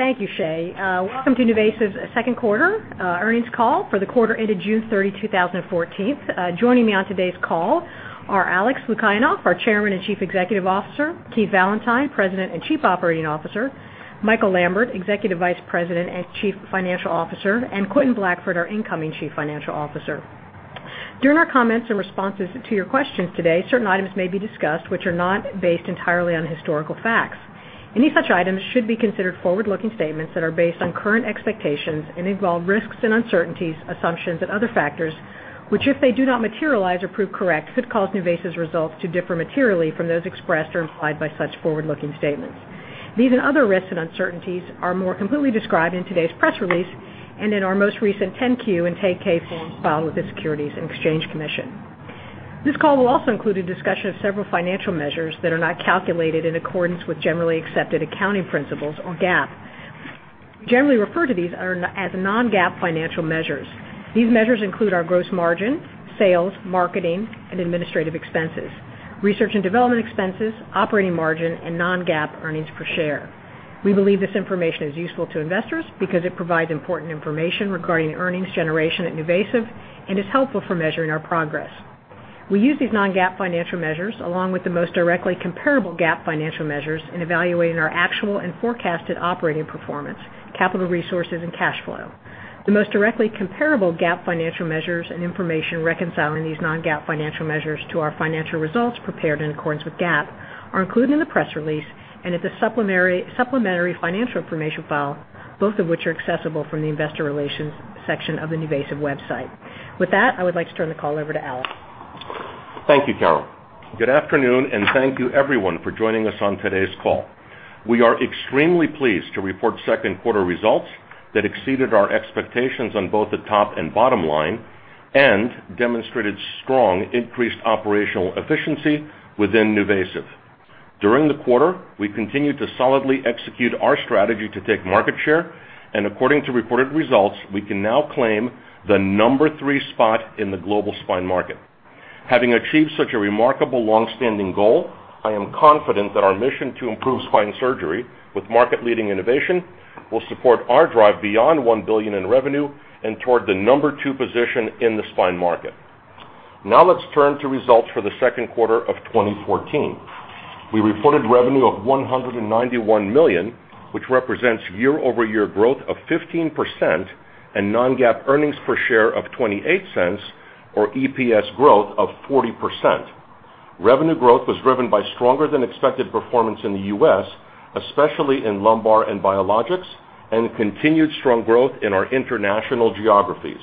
Thank you, Shay. Welcome to NuVasive's Second Quarter Earnings Call for the quarter ended June 30, 2014. Joining me on today's call are Alex Lukianov, our Chairman and Chief Executive Officer, Keith Valentine, President and Chief Operating Officer, Michael Lambert, Executive Vice President and Chief Financial Officer, and Quentin Blackford, our Incoming Chief Financial Officer. During our comments and responses to your questions today, certain items may be discussed which are not based entirely on historical facts. Any such items should be considered forward-looking statements that are based on current expectations and involve risks and uncertainties, assumptions, and other factors which, if they do not materialize or prove correct, could cause NuVasive's results to differ materially from those expressed or implied by such forward-looking statements. These and other risks and uncertainties are more completely described in today's press release and in our most recent 10-Q and 10-K forms filed with the Securities and Exchange Commission. This call will also include a discussion of several financial measures that are not calculated in accordance with generally accepted accounting principles or GAAP. We generally refer to these as non-GAAP financial measures. These measures include our gross margin, sales, marketing, and administrative expenses, research and development expenses, operating margin, and non-GAAP earnings per share. We believe this information is useful to investors because it provides important information regarding earnings generation at NuVasive and is helpful for measuring our progress. We use these non-GAAP financial measures along with the most directly comparable GAAP financial measures in evaluating our actual and forecasted operating performance, capital resources, and cash flow. The most directly comparable GAAP financial measures and information reconciling these non-GAAP financial measures to our financial results prepared in accordance with GAAP are included in the press release and at the supplementary financial information file, both of which are accessible from the investor relations section of the NuVasive website. With that, I would like to turn the call over to Alex. Thank you, Carol. Good afternoon, and thank you everyone for joining us on today's call. We are extremely pleased to report second quarter results that exceeded our expectations on both the top and bottom line and demonstrated strong increased operational efficiency within NuVasive. During the quarter, we continued to solidly execute our strategy to take market share, and according to reported results, we can now claim the number three spot in the global spine market. Having achieved such a remarkable long-standing goal, I am confident that our mission to improve spine surgery with market-leading innovation will support our drive beyond $1 billion in revenue and toward the number two position in the spine market. Now let's turn to results for the second quarter of 2014. We reported revenue of $191 million, which represents year-over-year growth of 15% and non-GAAP earnings per share of $0.28 or EPS growth of 40%. Revenue growth was driven by stronger-than-expected performance in the US, especially in lumbar and biologics, and continued strong growth in our international geographies.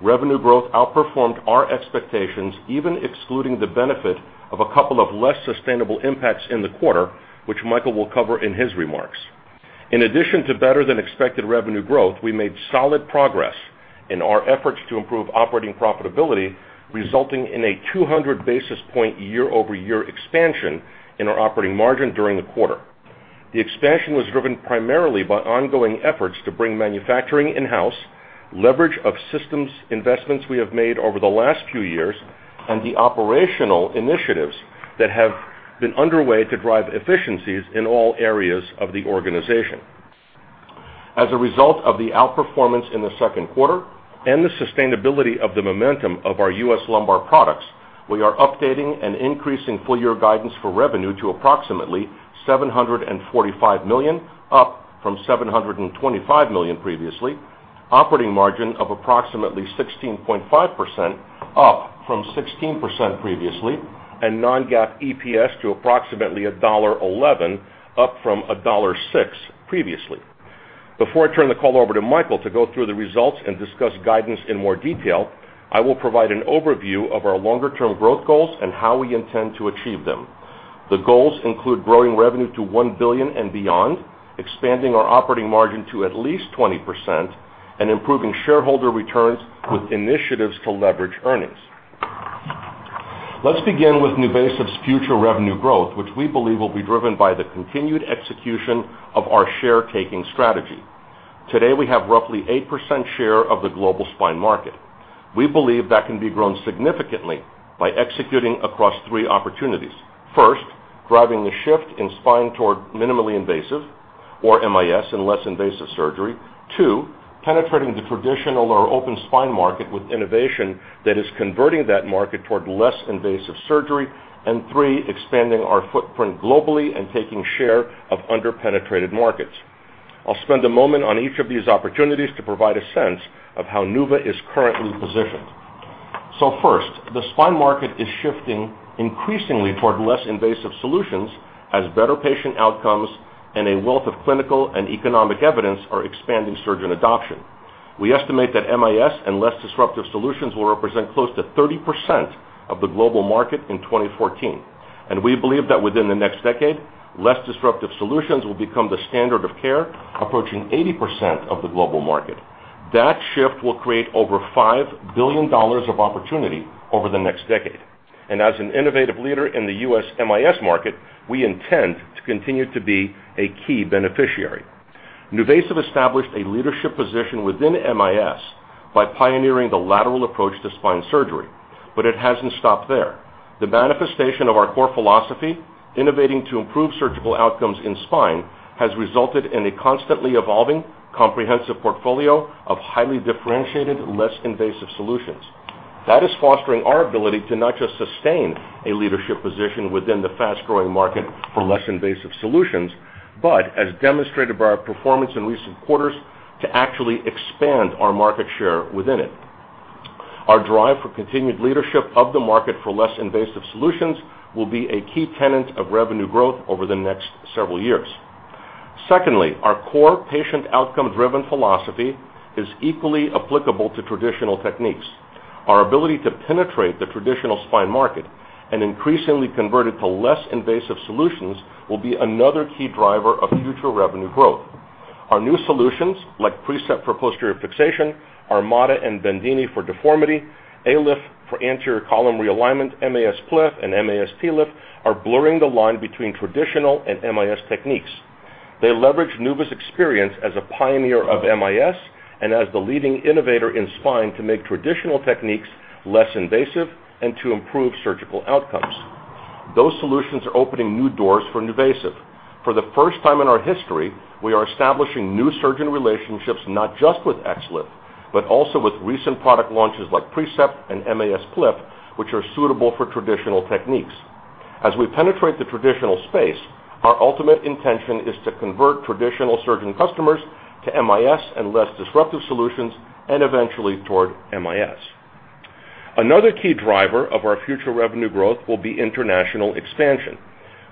Revenue growth outperformed our expectations even excluding the benefit of a couple of less sustainable impacts in the quarter, which Michael will cover in his remarks. In addition to better-than-expected revenue growth, we made solid progress in our efforts to improve operating profitability, resulting in a 200 basis point year-over-year expansion in our operating margin during the quarter. The expansion was driven primarily by ongoing efforts to bring manufacturing in-house, leverage of systems investments we have made over the last few years, and the operational initiatives that have been underway to drive efficiencies in all areas of the organization. As a result of the outperformance in the second quarter and the sustainability of the momentum of our US lumbar products, we are updating and increasing full-year guidance for revenue to approximately $745 million, up from $725 million previously, operating margin of approximately 16.5%, up from 16% previously, and non-GAAP EPS to approximately $1.11, up from $1.06 previously. Before I turn the call over to Michael to go through the results and discuss guidance in more detail, I will provide an overview of our longer-term growth goals and how we intend to achieve them. The goals include growing revenue to $1 billion and beyond, expanding our operating margin to at least 20%, and improving shareholder returns with initiatives to leverage earnings. Let's begin with NuVasive's future revenue growth, which we believe will be driven by the continued execution of our share-taking strategy. Today, we have roughly 8% share of the global spine market. We believe that can be grown significantly by executing across three opportunities. First, driving the shift in spine toward minimally invasive, or MIS, and less invasive surgery. Two, penetrating the traditional or open spine market with innovation that is converting that market toward less invasive surgery. Three, expanding our footprint globally and taking share of under-penetrated markets. I'll spend a moment on each of these opportunities to provide a sense of how NuVasive is currently positioned. First, the spine market is shifting increasingly toward less invasive solutions as better patient outcomes and a wealth of clinical and economic evidence are expanding surgeon adoption. We estimate that MIS and less disruptive solutions will represent close to 30% of the global market in 2014, and we believe that within the next decade, less disruptive solutions will become the standard of care, approaching 80% of the global market. That shift will create over $5 billion of opportunity over the next decade. As an innovative leader in the US MIS market, we intend to continue to be a key beneficiary. NuVasive established a leadership position within MIS by pioneering the lateral approach to spine surgery, but it has not stopped there. The manifestation of our core philosophy, innovating to improve surgical outcomes in spine, has resulted in a constantly evolving, comprehensive portfolio of highly differentiated, less invasive solutions. That is fostering our ability to not just sustain a leadership position within the fast-growing market for less invasive solutions, but, as demonstrated by our performance in recent quarters, to actually expand our market share within it. Our drive for continued leadership of the market for less invasive solutions will be a key tenet of revenue growth over the next several years. Secondly, our core patient outcome-driven philosophy is equally applicable to traditional techniques. Our ability to penetrate the traditional spine market and increasingly convert it to less invasive solutions will be another key driver of future revenue growth. Our new solutions, like Precept for posterior fixation, Armada and Bendini for deformity, ALIF for anterior column realignment, MAS PLIF, and MAS TLIF, are blurring the line between traditional and MIS techniques. They leverage NuVasive's experience as a pioneer of MIS and as the leading innovator in spine to make traditional techniques less invasive and to improve surgical outcomes. Those solutions are opening new doors for NuVasive. For the first time in our history, we are establishing new surgeon relationships not just with XLIF, but also with recent product launches like Precept and MAS PLIF, which are suitable for traditional techniques. As we penetrate the traditional space, our ultimate intention is to convert traditional surgeon customers to MIS and less disruptive solutions and eventually toward MIS. Another key driver of our future revenue growth will be international expansion.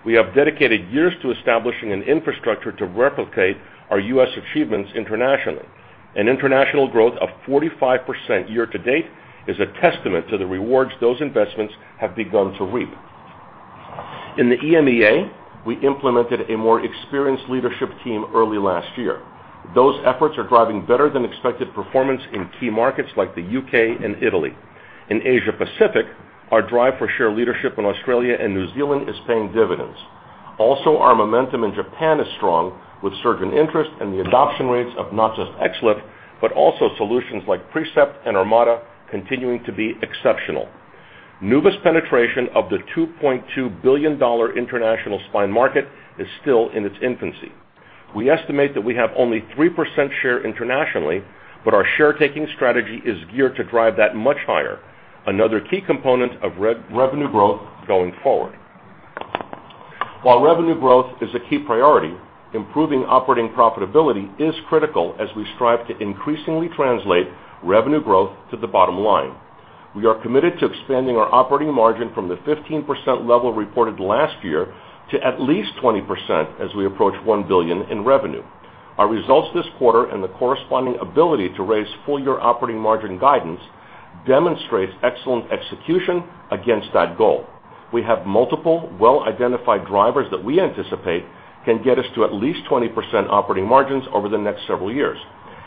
We have dedicated years to establishing an infrastructure to replicate our US achievements internationally. An international growth of 45% year-to-date is a testament to the rewards those investments have begun to reap. In the EMEA, we implemented a more experienced leadership team early last year. Those efforts are driving better-than-expected performance in key markets like the U.K. and Italy. In Asia-Pacific, our drive for shared leadership in Australia and New Zealand is paying dividends. Also, our momentum in Japan is strong with surgeon interest and the adoption rates of not just XLIF, but also solutions like Precept and Armada continuing to be exceptional. NuVasive's penetration of the $2.2 billion international spine market is still in its infancy. We estimate that we have only 3% share internationally, but our share-taking strategy is geared to drive that much higher, another key component of revenue growth going forward. While revenue growth is a key priority, improving operating profitability is critical as we strive to increasingly translate revenue growth to the bottom line. We are committed to expanding our operating margin from the 15% level reported last year to at least 20% as we approach $1 billion in revenue. Our results this quarter and the corresponding ability to raise full-year operating margin guidance demonstrate excellent execution against that goal. We have multiple, well-identified drivers that we anticipate can get us to at least 20% operating margins over the next several years.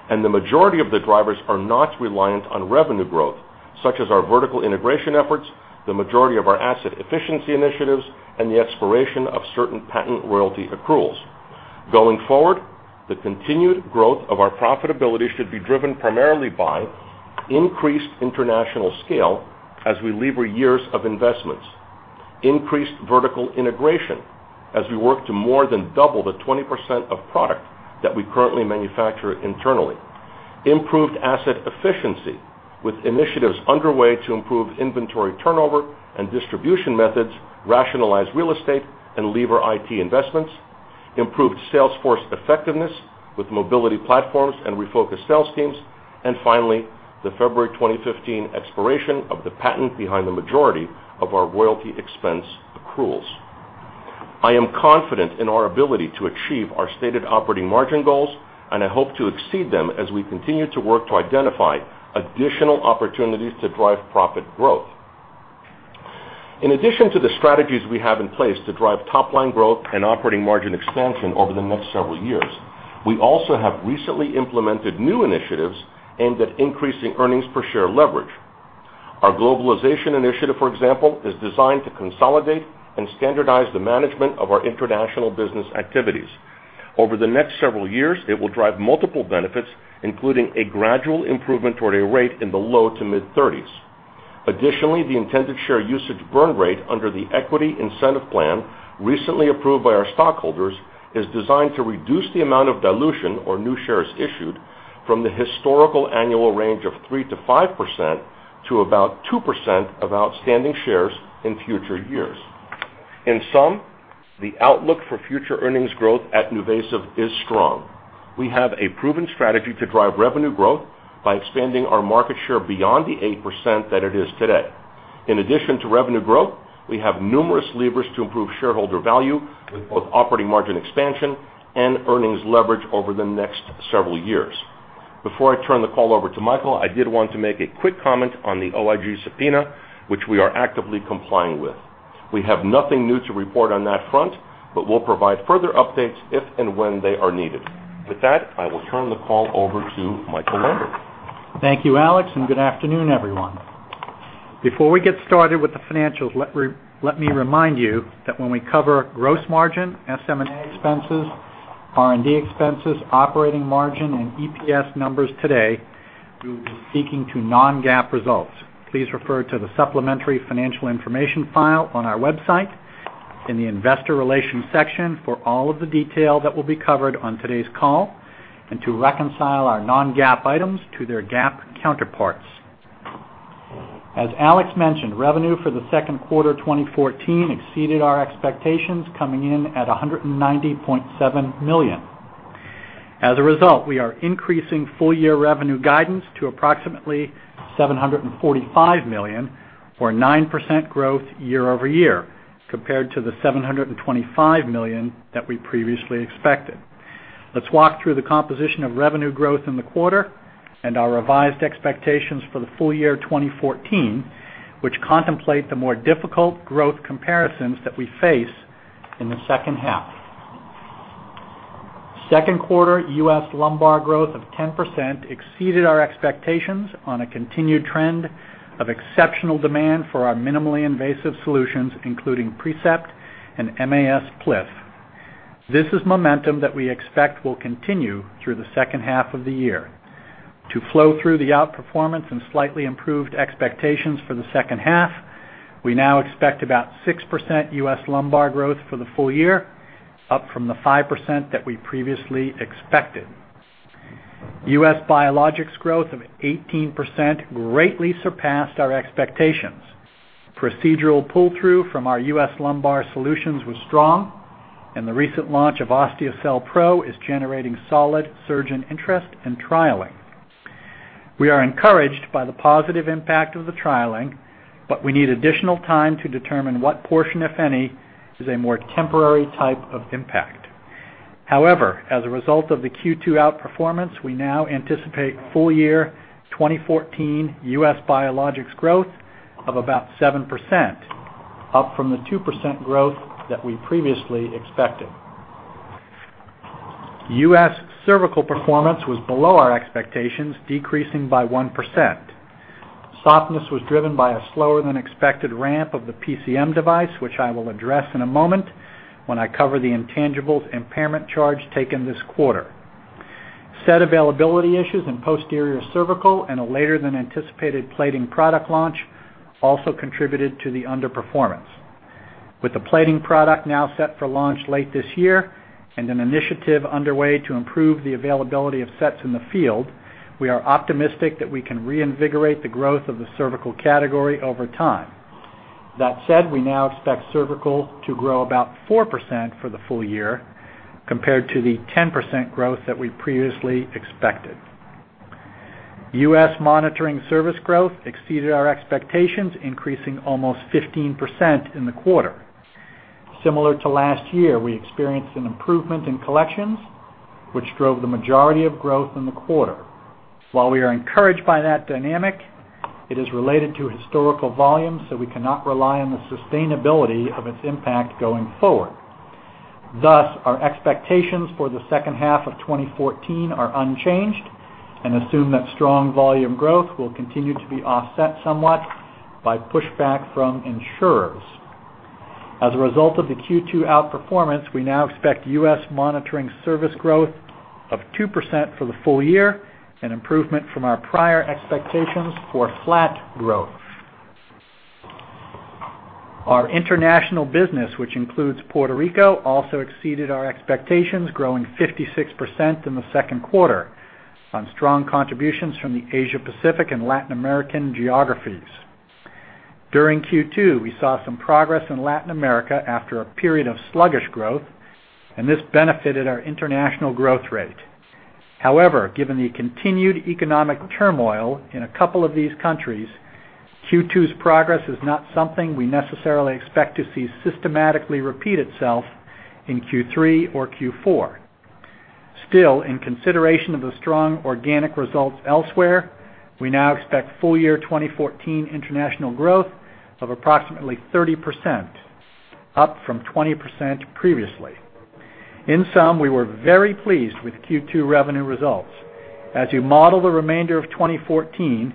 The majority of the drivers are not reliant on revenue growth, such as our vertical integration efforts, the majority of our asset efficiency initiatives, and the expiration of certain patent royalty accruals. Going forward, the continued growth of our profitability should be driven primarily by: increased international scale as we lever years of investments, increased vertical integration as we work to more than double the 20% of product that we currently manufacture internally, improved asset efficiency with initiatives underway to improve inventory turnover and distribution methods, rationalize real estate, and lever IT investments, improved sales force effectiveness with mobility platforms and refocused sales teams, and finally, the February 2015 expiration of the patent behind the majority of our royalty expense accruals. I am confident in our ability to achieve our stated operating margin goals, and I hope to exceed them as we continue to work to identify additional opportunities to drive profit growth. In addition to the strategies we have in place to drive top-line growth and operating margin expansion over the next several years, we also have recently implemented new initiatives aimed at increasing earnings per share leverage. Our globalization initiative, for example, is designed to consolidate and standardize the management of our international business activities. Over the next several years, it will drive multiple benefits, including a gradual improvement toward a rate in the low to mid-30%. Additionally, the intended share usage burn rate under the equity incentive plan recently approved by our stockholders is designed to reduce the amount of dilution, or new shares issued, from the historical annual range of 3%-5% to about 2% of outstanding shares in future years. In sum, the outlook for future earnings growth at NuVasive is strong. We have a proven strategy to drive revenue growth by expanding our market share beyond the 8% that it is today. In addition to revenue growth, we have numerous levers to improve shareholder value with both operating margin expansion and earnings leverage over the next several years. Before I turn the call over to Michael, I did want to make a quick comment on the OIG subpoena, which we are actively complying with. We have nothing new to report on that front, but we'll provide further updates if and when they are needed. With that, I will turn the call over to Michael Lambert. Thank you, Alex, and good afternoon, everyone. Before we get started with the financials, let me remind you that when we cover gross margin, SM&A expenses, R&D expenses, operating margin, and EPS numbers today, we will be speaking to non-GAAP results. Please refer to the supplementary financial information file on our website in the Investor Relations section for all of the detail that will be covered on today's call and to reconcile our non-GAAP items to their GAAP counterparts. As Alex mentioned, revenue for the second quarter 2014 exceeded our expectations, coming in at $190.7 million. As a result, we are increasing full-year revenue guidance to approximately $745 million, or 9% growth year-over-year, compared to the $725 million that we previously expected. Let's walk through the composition of revenue growth in the quarter and our revised expectations for the full year 2014, which contemplate the more difficult growth comparisons that we face in the second half. Second quarter US lumbar growth of 10% exceeded our expectations on a continued trend of exceptional demand for our minimally invasive solutions, including Precept and MAS PLIF. This is momentum that we expect will continue through the second half of the year. To flow through the outperformance and slightly improved expectations for the second half, we now expect about 6% US lumbar growth for the full year, up from the 5% that we previously expected. US biologics growth of 18% greatly surpassed our expectations. Procedural pull-through from our US lumbar solutions was strong, and the recent launch of Osteocel Pro is generating solid surgeon interest and trialing. We are encouraged by the positive impact of the trialing, but we need additional time to determine what portion, if any, is a more temporary type of impact. However, as a result of the Q2 outperformance, we now anticipate full-year 2014 US biologics growth of about 7%, up from the 2% growth that we previously expected. US cervical performance was below our expectations, decreasing by 1%. Softness was driven by a slower-than-expected ramp of the PCM device, which I will address in a moment when I cover the intangibles impairment charge taken this quarter. Set availability issues in posterior cervical and a later-than-anticipated plating product launch also contributed to the underperformance. With the plating product now set for launch late this year and an initiative underway to improve the availability of sets in the field, we are optimistic that we can reinvigorate the growth of the cervical category over time. That said, we now expect cervical to grow about 4% for the full year, compared to the 10% growth that we previously expected. U.S. monitoring service growth exceeded our expectations, increasing almost 15% in the quarter. Similar to last year, we experienced an improvement in collections, which drove the majority of growth in the quarter. While we are encouraged by that dynamic, it is related to historical volumes, so we cannot rely on the sustainability of its impact going forward. Thus, our expectations for the second half of 2014 are unchanged and assume that strong volume growth will continue to be offset somewhat by pushback from insurers. As a result of the Q2 outperformance, we now expect U.S. monitoring service growth of 2% for the full year and improvement from our prior expectations for flat growth. Our international business, which includes Puerto Rico, also exceeded our expectations, growing 56% in the second quarter on strong contributions from the Asia-Pacific and Latin American geographies. During Q2, we saw some progress in Latin America after a period of sluggish growth, and this benefited our international growth rate. However, given the continued economic turmoil in a couple of these countries, Q2's progress is not something we necessarily expect to see systematically repeat itself in Q3 or Q4. Still, in consideration of the strong organic results elsewhere, we now expect full-year 2014 international growth of approximately 30%, up from 20% previously. In sum, we were very pleased with Q2 revenue results. As you model the remainder of 2014,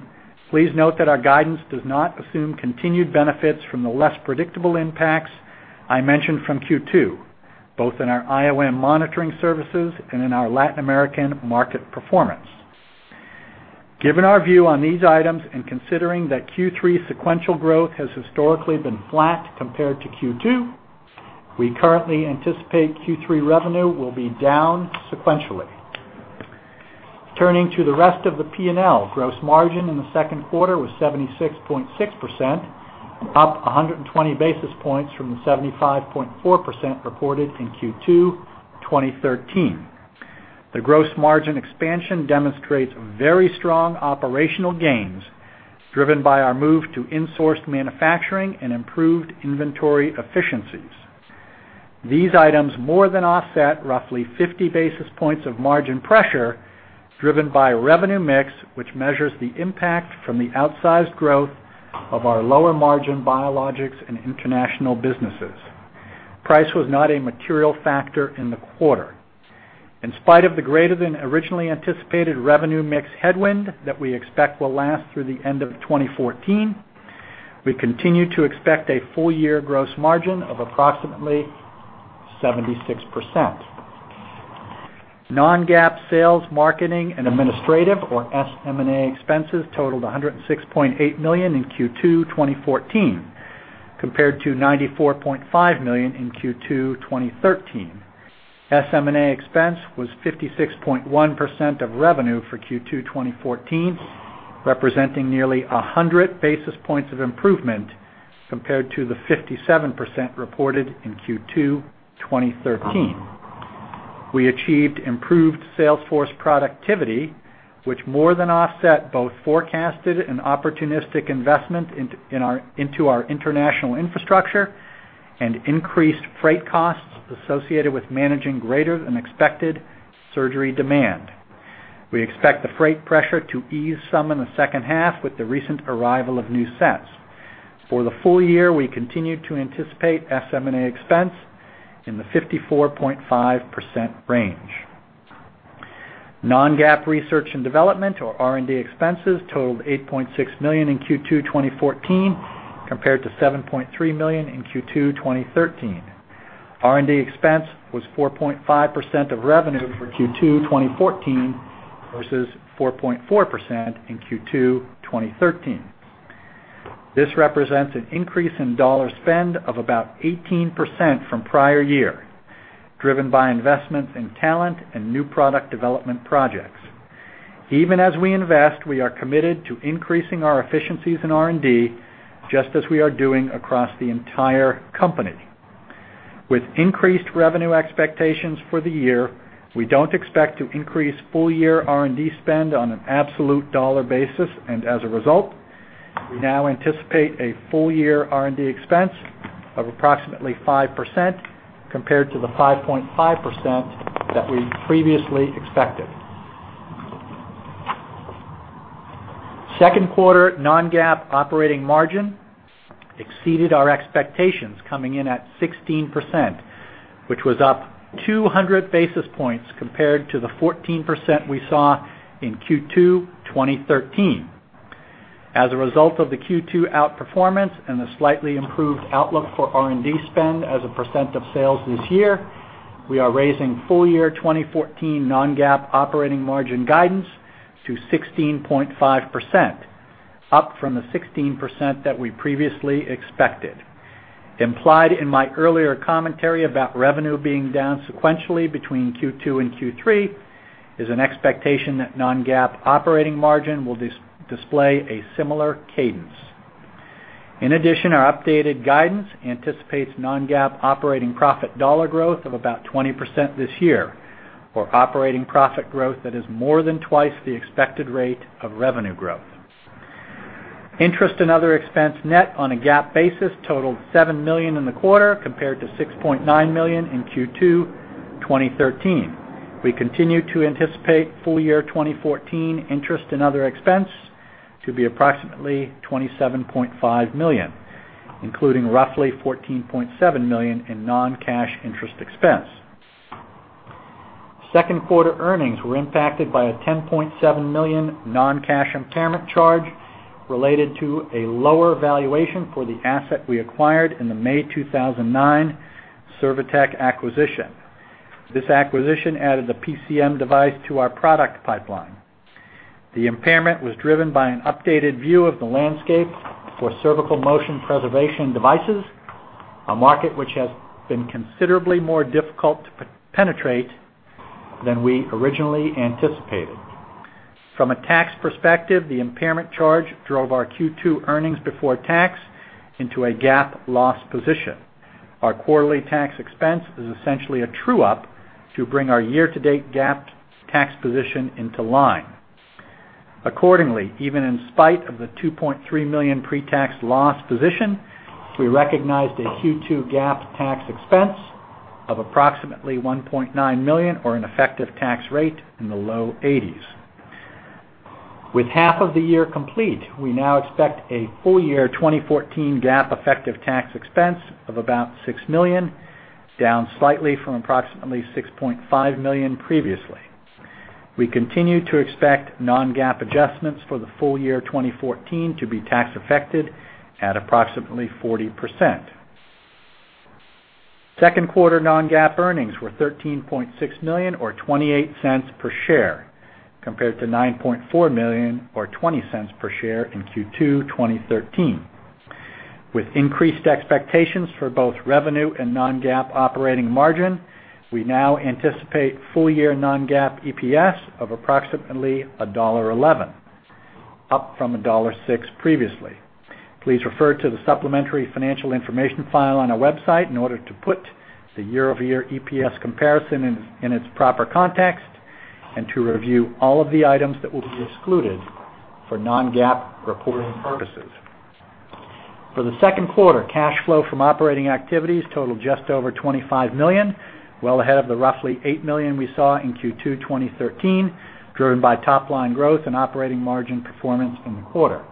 please note that our guidance does not assume continued benefits from the less predictable impacts I mentioned from Q2, both in our IOM monitoring services and in our Latin American market performance. Given our view on these items and considering that Q3 sequential growth has historically been flat compared to Q2, we currently anticipate Q3 revenue will be down sequentially. Turning to the rest of the P&L, gross margin in the second quarter was 76.6%, up 120 basis points from the 75.4% reported in Q2 2013. The gross margin expansion demonstrates very strong operational gains driven by our move to insourced manufacturing and improved inventory efficiencies. These items more than offset roughly 50 basis points of margin pressure driven by revenue mix, which measures the impact from the outsized growth of our lower-margin biologics and international businesses. Price was not a material factor in the quarter. In spite of the greater-than-originally-anticipated revenue mix headwind that we expect will last through the end of 2014, we continue to expect a full-year gross margin of approximately 76%. Non-GAAP sales, marketing, and administrative, or SM&A expenses totaled $106.8 million in Q2 2014, compared to $94.5 million in Q2 2013. SM&A expense was 56.1% of revenue for Q2 2014, representing nearly 100 basis points of improvement compared to the 57% reported in Q2 2013. We achieved improved sales force productivity, which more than offset both forecasted and opportunistic investment into our international infrastructure and increased freight costs associated with managing greater-than-expected surgery demand. We expect the freight pressure to ease some in the second half with the recent arrival of new sets. For the full year, we continue to anticipate SM&A expense in the 54.5% range. Non-GAAP research and development, or R&D expenses, totaled $8.6 million in Q2 2014, compared to $7.3 million in Q2 2013. R&D expense was 4.5% of revenue for Q2 2014 versus 4.4% in Q2 2013. This represents an increase in dollar spend of about 18% from prior year, driven by investments in talent and new product development projects. Even as we invest, we are committed to increasing our efficiencies in R&D, just as we are doing across the entire company. With increased revenue expectations for the year, we don't expect to increase full-year R&D spend on an absolute dollar basis, and as a result, we now anticipate a full-year R&D expense of approximately 5% compared to the 5.5% that we previously expected. Second quarter non-GAAP operating margin exceeded our expectations, coming in at 16%, which was up 200 basis points compared to the 14% we saw in Q2 2013. As a result of the Q2 outperformance and the slightly improved outlook for R&D spend as a percent of sales this year, we are raising full-year 2014 non-GAAP operating margin guidance to 16.5%, up from the 16% that we previously expected. Implied in my earlier commentary about revenue being down sequentially between Q2 and Q3 is an expectation that non-GAAP operating margin will display a similar cadence. In addition, our updated guidance anticipates non-GAAP operating profit dollar growth of about 20% this year, or operating profit growth that is more than twice the expected rate of revenue growth. Interest and other expense net on a GAAP basis totaled $7 million in the quarter, compared to $6.9 million in Q2 2013. We continue to anticipate full-year 2014 interest and other expense to be approximately $27.5 million, including roughly $14.7 million in non-cash interest expense. Second quarter earnings were impacted by a $10.7 million non-cash impairment charge related to a lower valuation for the asset we acquired in the May 2009 Servitech acquisition. This acquisition added the PCM device to our product pipeline. The impairment was driven by an updated view of the landscape for cervical motion preservation devices, a market which has been considerably more difficult to penetrate than we originally anticipated. From a tax perspective, the impairment charge drove our Q2 earnings before tax into a GAAP loss position. Our quarterly tax expense is essentially a true-up to bring our year-to-date GAAP tax position into line. Accordingly, even in spite of the $2.3 million pre-tax loss position, we recognized a Q2 GAAP tax expense of approximately $1.9 million, or an effective tax rate in the low 80%. With half of the year complete, we now expect a full-year 2014 GAAP effective tax expense of about $6 million, down slightly from approximately $6.5 million previously. We continue to expect non-GAAP adjustments for the full year 2014 to be tax-affected at approximately 40%. Second quarter non-GAAP earnings were $13.6 million, or $0.28 per share, compared to $9.4 million, or $0.20 per share in Q2 2013. With increased expectations for both revenue and non-GAAP operating margin, we now anticipate full-year non-GAAP EPS of approximately $1.11, up from $1.06 previously. Please refer to the supplementary financial information file on our website in order to put the year-over-year EPS comparison in its proper context and to review all of the items that will be excluded for non-GAAP reporting purposes. For the second quarter, cash flow from operating activities totaled just over $25 million, well ahead of the roughly $8 million we saw in Q2 2013, driven by top-line growth and operating margin performance in the quarter.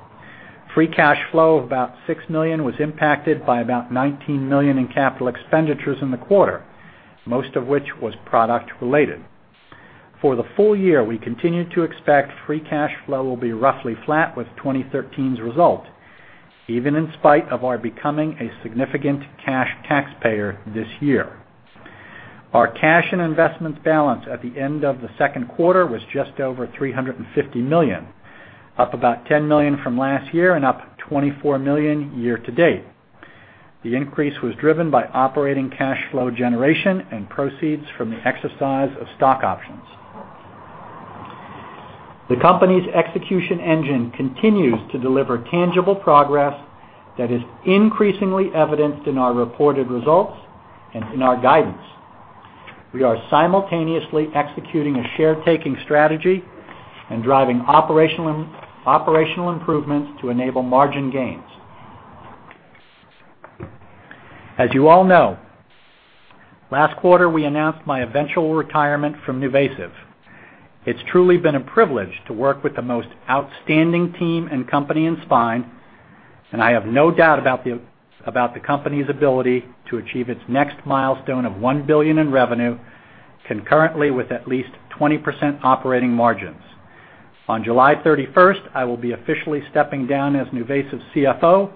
Free cash flow of about $6 million was impacted by about $19 million in capital expenditures in the quarter, most of which was product-related. For the full year, we continue to expect free cash flow will be roughly flat with 2013's result, even in spite of our becoming a significant cash taxpayer this year. Our cash and investments balance at the end of the second quarter was just over $350 million, up about $10 million from last year and up $24 million year-to-date. The increase was driven by operating cash flow generation and proceeds from the exercise of stock options. The company's execution engine continues to deliver tangible progress that is increasingly evidenced in our reported results and in our guidance. We are simultaneously executing a share-taking strategy and driving operational improvements to enable margin gains. As you all know, last quarter we announced my eventual retirement from NuVasive. It's truly been a privilege to work with the most outstanding team and company in spine, and I have no doubt about the company's ability to achieve its next milestone of $1 billion in revenue, concurrently with at least 20% operating margins. On July 31, I will be officially stepping down as NuVasive's CFO,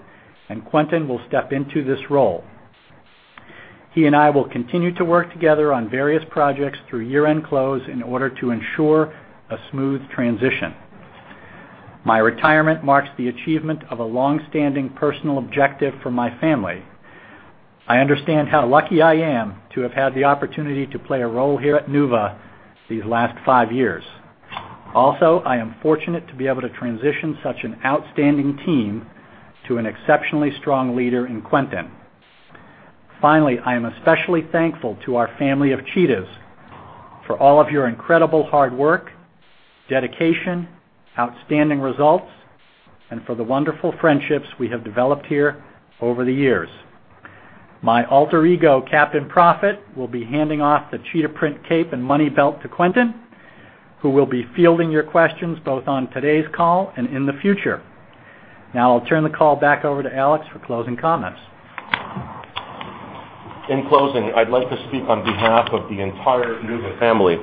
and Quentin will step into this role. He and I will continue to work together on various projects through year-end close in order to ensure a smooth transition. My retirement marks the achievement of a long-standing personal objective for my family. I understand how lucky I am to have had the opportunity to play a role here at NuVasive these last five years. Also, I am fortunate to be able to transition such an outstanding team to an exceptionally strong leader in Quentin. Finally, I am especially thankful to our family of Cheetahs for all of your incredible hard work, dedication, outstanding results, and for the wonderful friendships we have developed here over the years. My alter ego, Captain Prophet, will be handing off the Cheetah print cape and money belt to Quentin, who will be fielding your questions both on today's call and in the future. Now, I'll turn the call back over to Alex for closing comments. In closing, I'd like to speak on behalf of the entire NuVasive family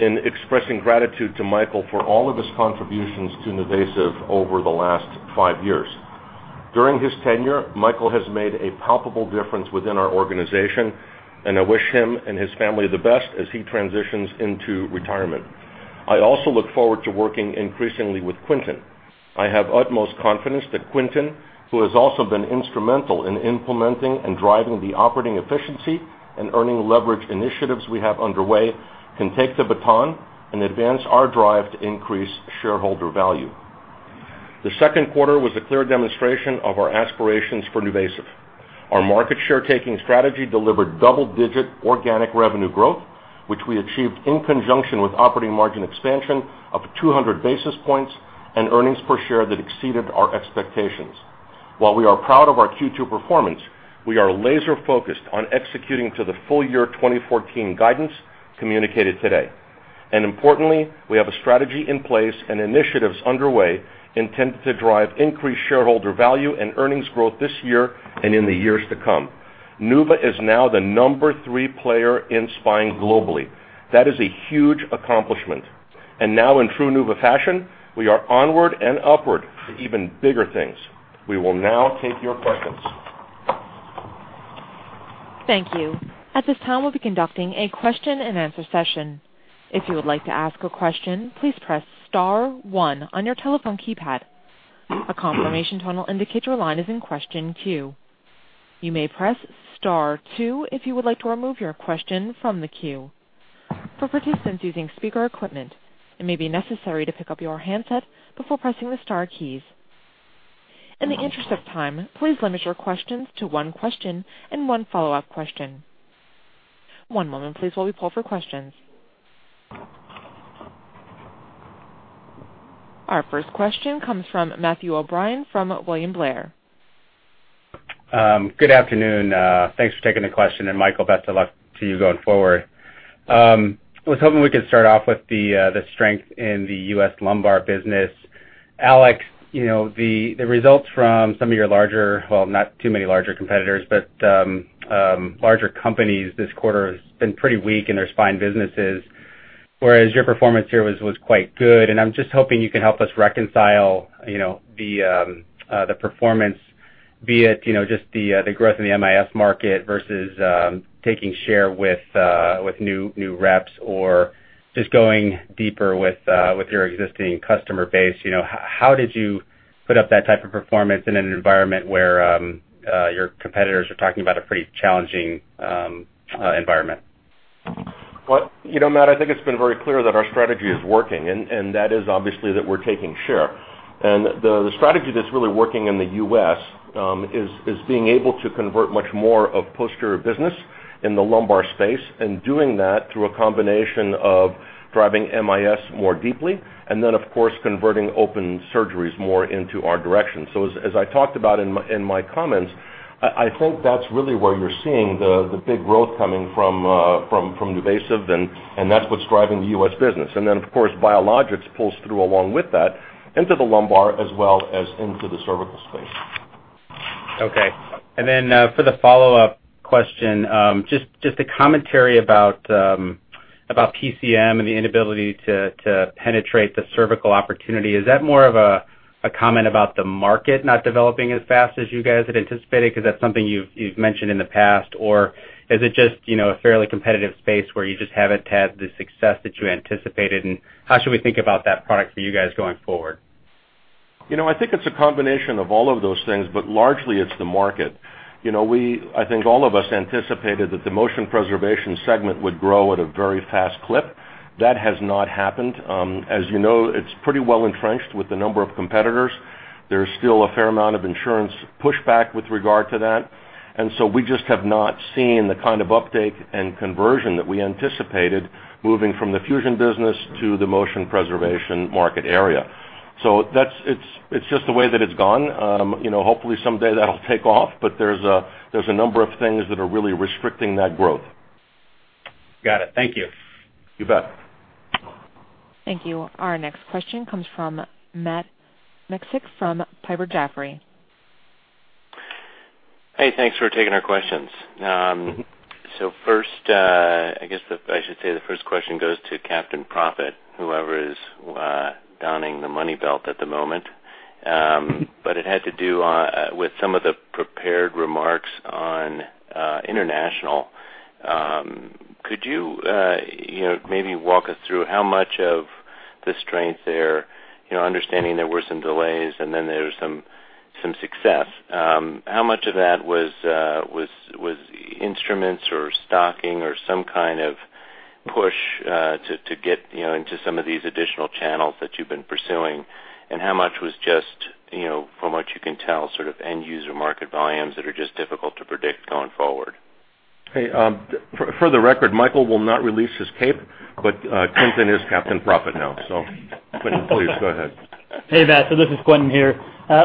in expressing gratitude to Michael for all of his contributions to NuVasive over the last five years. During his tenure, Michael has made a palpable difference within our organization, and I wish him and his family the best as he transitions into retirement. I also look forward to working increasingly with Quentin. I have utmost confidence that Quentin, who has also been instrumental in implementing and driving the operating efficiency and earning leverage initiatives we have underway, can take the baton and advance our drive to increase shareholder value. The second quarter was a clear demonstration of our aspirations for NuVasive. Our market share-taking strategy delivered double-digit organic revenue growth, which we achieved in conjunction with operating margin expansion of 200 basis points and earnings per share that exceeded our expectations. While we are proud of our Q2 performance, we are laser-focused on executing to the full-year 2014 guidance communicated today. Importantly, we have a strategy in place and initiatives underway intended to drive increased shareholder value and earnings growth this year and in the years to come. NuVasive is now the number three player in spine globally. That is a huge accomplishment. In true NuVasive fashion, we are onward and upward to even bigger things. We will now take your questions. Thank you. At this time, we'll be conducting a question-and-answer session. If you would like to ask a question, please press star one on your telephone keypad. A confirmation tone indicates your line is in question queue. You may press star two if you would like to remove your question from the queue. For participants using speaker equipment, it may be necessary to pick up your handset before pressing the star keys. In the interest of time, please limit your questions to one question and one follow-up question. One moment, please, while we pull for questions. Our first question comes from Matthew O'Brien from William Blair. Good afternoon. Thanks for taking the question, and Michael, best of luck to you going forward. I was hoping we could start off with the strength in the U.S. lumbar business. Alex, the results from some of your larger, well, not too many larger competitors, but larger companies this quarter have been pretty weak in their spine businesses, whereas your performance here was quite good. I am just hoping you can help us reconcile the performance via just the growth in the MIS market versus taking share with new reps or just going deeper with your existing customer base. How did you put up that type of performance in an environment where your competitors are talking about a pretty challenging environment? Matt, I think it's been very clear that our strategy is working, and that is obviously that we're taking share. The strategy that's really working in the U.S. is being able to convert much more of posterior business in the lumbar space and doing that through a combination of driving MIS more deeply and, of course, converting open surgeries more into our direction. As I talked about in my comments, I think that's really where you're seeing the big growth coming from NuVasive, and that's what's driving the U.S. business. Of course, Biologics pulls through along with that into the lumbar as well as into the cervical space. Okay. For the follow-up question, just a commentary about PCM and the inability to penetrate the cervical opportunity. Is that more of a comment about the market not developing as fast as you guys had anticipated? Because that's something you've mentioned in the past, or is it just a fairly competitive space where you just haven't had the success that you anticipated? How should we think about that product for you guys going forward? I think it's a combination of all of those things, but largely it's the market. I think all of us anticipated that the motion preservation segment would grow at a very fast clip. That has not happened. As you know, it's pretty well entrenched with the number of competitors. There's still a fair amount of insurance pushback with regard to that. We just have not seen the kind of uptake and conversion that we anticipated moving from the fusion business to the motion preservation market area. It's just the way that it's gone. Hopefully, someday that'll take off, but there's a number of things that are really restricting that growth. Got it. Thank you. You bet. Thank you. Our next question comes from Matt Miksic from Piper Jaffray. Hey, thanks for taking our questions. First, I guess I should say the first question goes to Captain Prophet, whoever is donning the money belt at the moment. It had to do with some of the prepared remarks on international. Could you maybe walk us through how much of the strength there, understanding there were some delays and then there was some success? How much of that was instruments or stocking or some kind of push to get into some of these additional channels that you've been pursuing? How much was just, from what you can tell, sort of end-user market volumes that are just difficult to predict going forward? Hey, for the record, Michael will not release his cape, but Quentin is Captain Prophet now. So Quentin, please go ahead. Hey, Matt, this is Quentin here.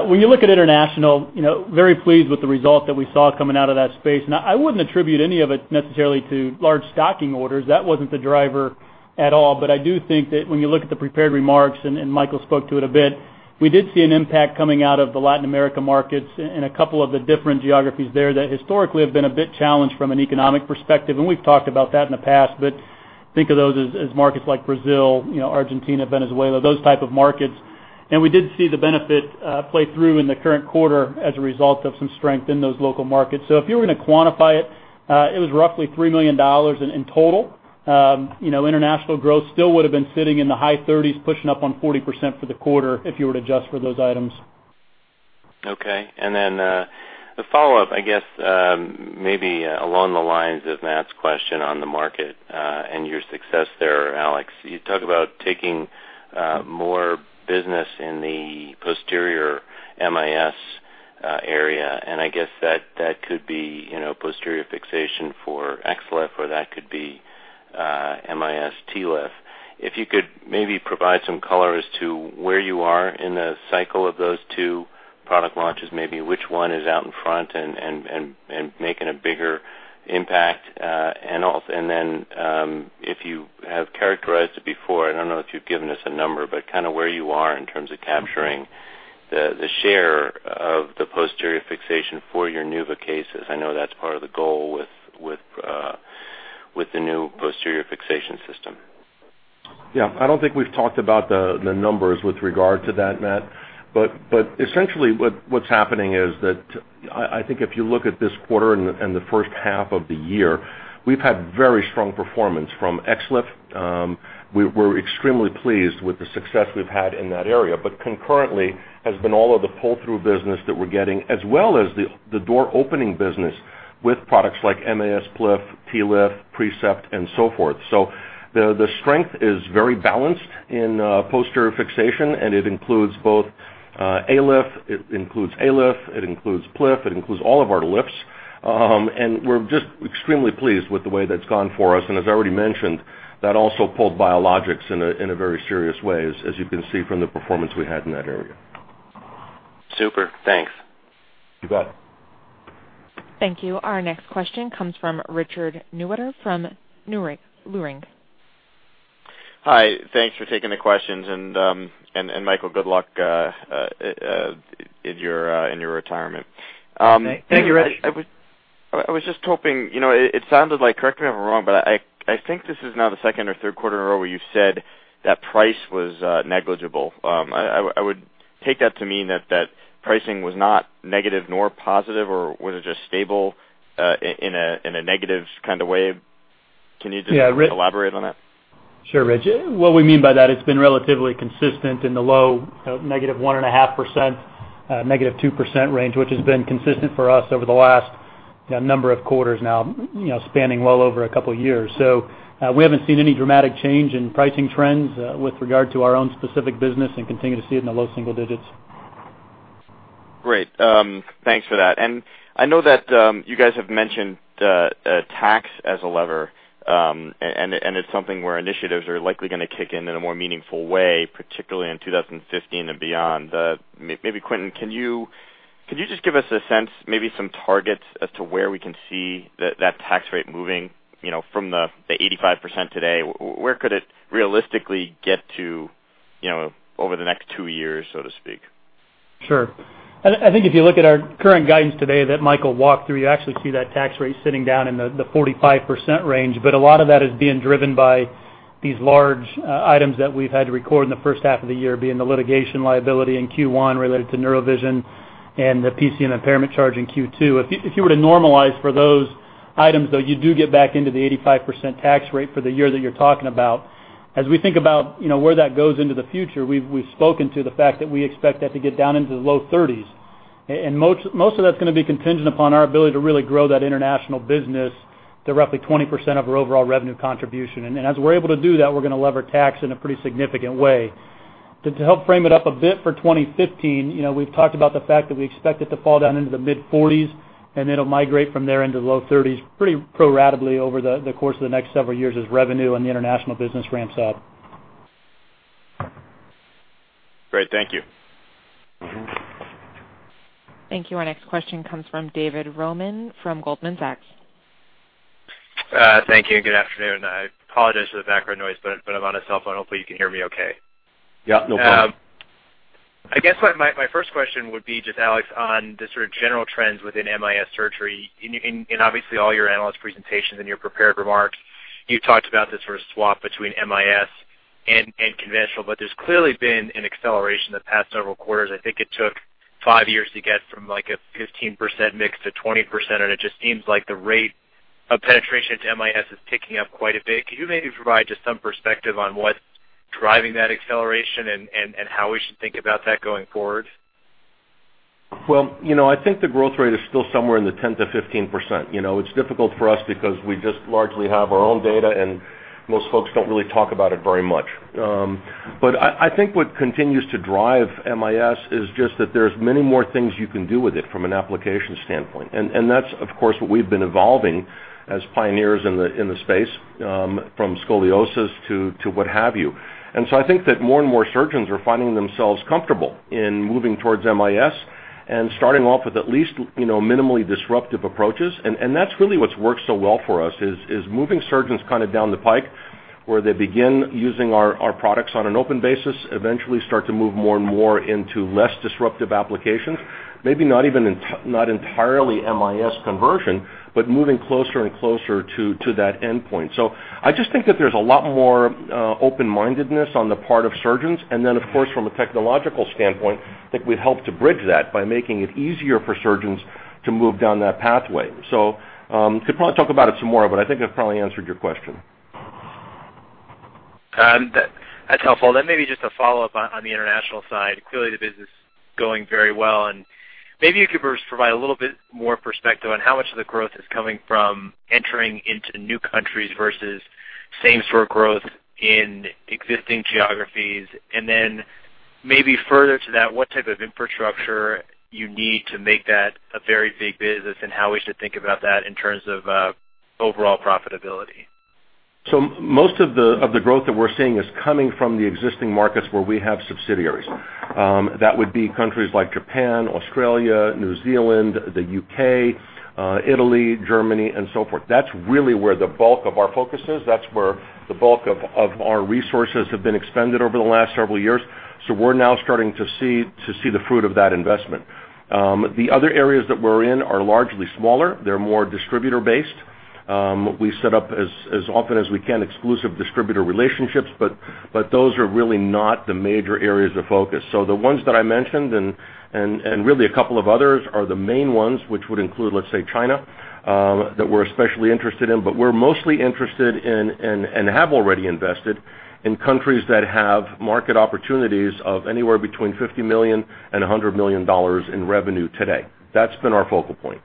When you look at international, very pleased with the result that we saw coming out of that space. I would not attribute any of it necessarily to large stocking orders. That was not the driver at all. I do think that when you look at the prepared remarks, and Michael spoke to it a bit, we did see an impact coming out of the Latin America markets and a couple of the different geographies there that historically have been a bit challenged from an economic perspective. We have talked about that in the past, but think of those as markets like Brazil, Argentina, Venezuela, those type of markets. We did see the benefit play through in the current quarter as a result of some strength in those local markets. If you were going to quantify it, it was roughly $3 million in total. International growth still would have been sitting in the high 30s, pushing up on 40% for the quarter if you were to adjust for those items. Okay. And then the follow-up, I guess, maybe along the lines of Matt's question on the market and your success there, Alex, you talk about taking more business in the posterior MIS area. I guess that could be posterior fixation for XLIF, or that could be MAS TLIF. If you could maybe provide some color as to where you are in the cycle of those two product launches, maybe which one is out in front and making a bigger impact. And then if you have characterized it before, I don't know if you've given us a number, but kind of where you are in terms of capturing the share of the posterior fixation for your NuVasive cases. I know that's part of the goal with the new posterior fixation system. Yeah. I do not think we have talked about the numbers with regard to that, Matt, but essentially what is happening is that I think if you look at this quarter and the first half of the year, we have had very strong performance from XLIF. We are extremely pleased with the success we have had in that area, but concurrently has been all of the pull-through business that we are getting, as well as the door-opening business with products like MAS PLIF, MAS TLIF, Precept, and so forth. The strength is very balanced in posterior fixation, and it includes both ALIF. It includes ALIF. It includes PLIF. It includes all of our LIFs. We are just extremely pleased with the way that has gone for us. As I already mentioned, that also pulled biologics in a very serious way, as you can see from the performance we had in that area. Super. Thanks. You bet. Thank you. Our next question comes from Richard Newitter from Leerink. Hi. Thanks for taking the questions. Michael, good luck in your retirement. Thank you, Richard. I was just hoping it sounded like—correct me if I'm wrong—but I think this is now the second or third quarter in a row where you said that price was negligible. I would take that to mean that pricing was not negative nor positive, or was it just stable in a negative kind of way? Can you just elaborate on that? Sure, Richard. What we mean by that, it's been relatively consistent in the low negative 1.5%-negative 2% range, which has been consistent for us over the last number of quarters now, spanning well over a couple of years. We haven't seen any dramatic change in pricing trends with regard to our own specific business and continue to see it in the low single digits. Great. Thanks for that. I know that you guys have mentioned tax as a lever, and it's something where initiatives are likely going to kick in in a more meaningful way, particularly in 2015 and beyond. Maybe Quentin, can you just give us a sense, maybe some targets as to where we can see that tax rate moving from the 85% today? Where could it realistically get to over the next two years, so to speak? Sure. I think if you look at our current guidance today that Michael walked through, you actually see that tax rate sitting down in the 45% range. A lot of that is being driven by these large items that we've had to record in the first half of the year, being the litigation liability in Q1 related to Neurovision and the PCM impairment charge in Q2. If you were to normalize for those items, though, you do get back into the 35% tax rate for the year that you're talking about. As we think about where that goes into the future, we've spoken to the fact that we expect that to get down into the low 30s. Most of that's going to be contingent upon our ability to really grow that international business to roughly 20% of our overall revenue contribution. As we're able to do that, we're going to lever tax in a pretty significant way. To help frame it up a bit for 2015, we've talked about the fact that we expect it to fall down into the mid-40% range, and it'll migrate from there into the low 30% range pretty pro-ratably over the course of the next several years as revenue and the international business ramps up. Great. Thank you. Thank you. Our next question comes from David Roman from Goldman Sachs. Thank you. Good afternoon. I apologize for the background noise, but I'm on a cell phone. Hopefully, you can hear me okay. Yeah. No problem. I guess my first question would be, just Alex, on the sort of general trends within MIS surgery. In obviously all your analyst presentations and your prepared remarks, you talked about this sort of swap between MIS and conventional, but there's clearly been an acceleration the past several quarters. I think it took five years to get from like a 15% mix to 20%, and it just seems like the rate of penetration to MIS is picking up quite a bit. Could you maybe provide just some perspective on what's driving that acceleration and how we should think about that going forward? I think the growth rate is still somewhere in the 10-15%. It's difficult for us because we just largely have our own data, and most folks don't really talk about it very much. I think what continues to drive MIS is just that there's many more things you can do with it from an application standpoint. That's, of course, what we've been evolving as pioneers in the space, from scoliosis to what have you. I think that more and more surgeons are finding themselves comfortable in moving towards MIS and starting off with at least minimally disruptive approaches. That's really what's worked so well for us, is moving surgeons kind of down the pike where they begin using our products on an open basis, eventually start to move more and more into less disruptive applications, maybe not entirely MIS conversion, but moving closer and closer to that endpoint. I just think that there's a lot more open-mindedness on the part of surgeons. Of course, from a technological standpoint, I think we've helped to bridge that by making it easier for surgeons to move down that pathway. Could probably talk about it some more, but I think I've probably answered your question. That's helpful. Maybe just a follow-up on the international side. Clearly, the business is going very well. Maybe you could provide a little bit more perspective on how much of the growth is coming from entering into new countries versus same-store growth in existing geographies. Maybe further to that, what type of infrastructure you need to make that a very big business and how we should think about that in terms of overall profitability? Most of the growth that we're seeing is coming from the existing markets where we have subsidiaries. That would be countries like Japan, Australia, New Zealand, the U.K., Italy, Germany, and so forth. That's really where the bulk of our focus is. That's where the bulk of our resources have been expended over the last several years. We're now starting to see the fruit of that investment. The other areas that we're in are largely smaller. They're more distributor-based. We set up, as often as we can, exclusive distributor relationships, but those are really not the major areas of focus. The ones that I mentioned and really a couple of others are the main ones, which would include, let's say, China that we're especially interested in. We're mostly interested in and have already invested in countries that have market opportunities of anywhere between $50 million and $100 million in revenue today. That's been our focal point.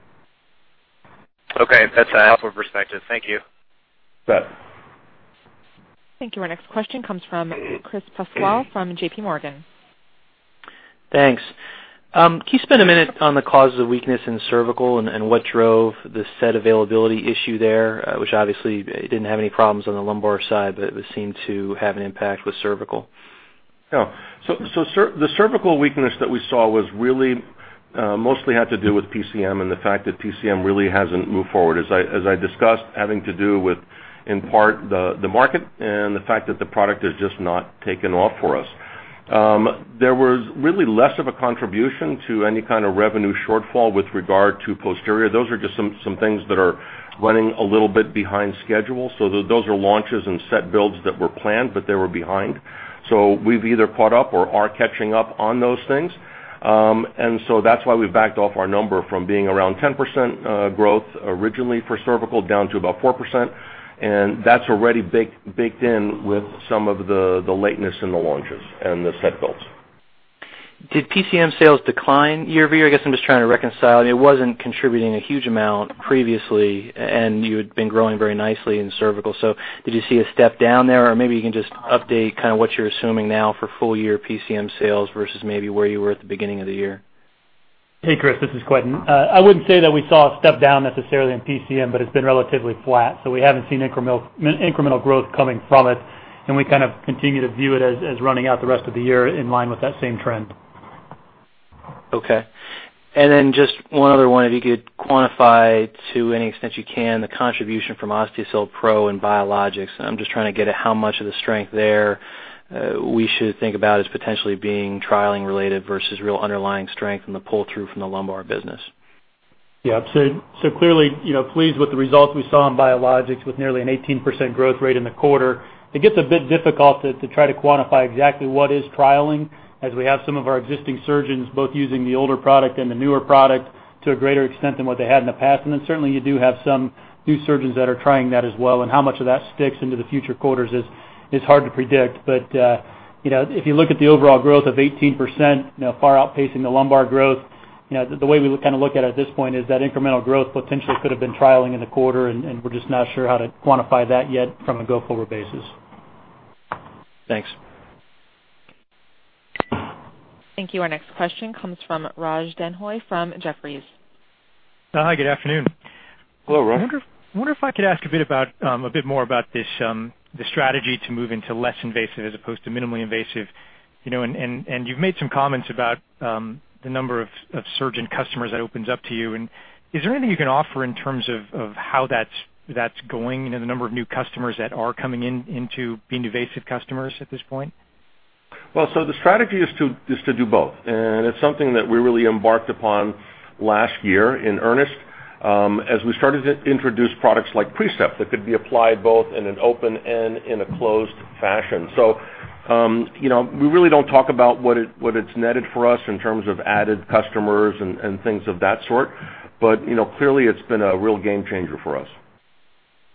Okay. That's a helpful perspective. Thank you. You bet. Thank you. Our next question comes from Chris Pasquale from JPMorgan. Thanks. Can you spend a minute on the causes of weakness in cervical and what drove the said availability issue there, which obviously did not have any problems on the lumbar side, but it seemed to have an impact with cervical? Yeah. So the cervical weakness that we saw mostly had to do with PCM and the fact that PCM really hasn't moved forward, as I discussed, having to do with, in part, the market and the fact that the product has just not taken off for us. There was really less of a contribution to any kind of revenue shortfall with regard to posterior. Those are just some things that are running a little bit behind schedule. Those are launches and set builds that were planned, but they were behind. We have either caught up or are catching up on those things. That is why we have backed off our number from being around 10% growth originally for cervical down to about 4%. That is already baked in with some of the lateness in the launches and the set builds. Did PCM sales decline year-over-year? I guess I'm just trying to reconcile. It wasn't contributing a huge amount previously, and you had been growing very nicely in cervical. Did you see a step down there? Or maybe you can just update kind of what you're assuming now for full-year PCM sales versus maybe where you were at the beginning of the year? Hey, Chris. This is Quentin. I wouldn't say that we saw a step down necessarily in PCM, but it's been relatively flat. So we haven't seen incremental growth coming from it. And we kind of continue to view it as running out the rest of the year in line with that same trend. Okay. And then just one other one. If you could quantify to any extent you can the contribution from Osteocel Pro and Biologics. I'm just trying to get at how much of the strength there we should think about as potentially being trialing-related versus real underlying strength in the pull-through from the lumbar business. Yeah. So clearly, pleased with the results we saw in Biologics with nearly an 18% growth rate in the quarter. It gets a bit difficult to try to quantify exactly what is trialing as we have some of our existing surgeons both using the older product and the newer product to a greater extent than what they had in the past. You do have some new surgeons that are trying that as well. How much of that sticks into the future quarters is hard to predict. If you look at the overall growth of 18%, far outpacing the lumbar growth, the way we kind of look at it at this point is that incremental growth potentially could have been trialing in the quarter, and we're just not sure how to quantify that yet from a go-forward basis. Thanks. Thank you. Our next question comes from Raj Denhoy from Jefferies. Hi. Good afternoon. Hello, Raj. I wonder if I could ask a bit more about this strategy to move into less invasive as opposed to minimally invasive. You have made some comments about the number of surgeon customers that opens up to you. Is there anything you can offer in terms of how that is going, the number of new customers that are coming into being invasive customers at this point? The strategy is to do both. It is something that we really embarked upon last year in earnest as we started to introduce products like Precept that could be applied both in an open and in a closed fashion. We really do not talk about what it has netted for us in terms of added customers and things of that sort. Clearly, it has been a real game changer for us.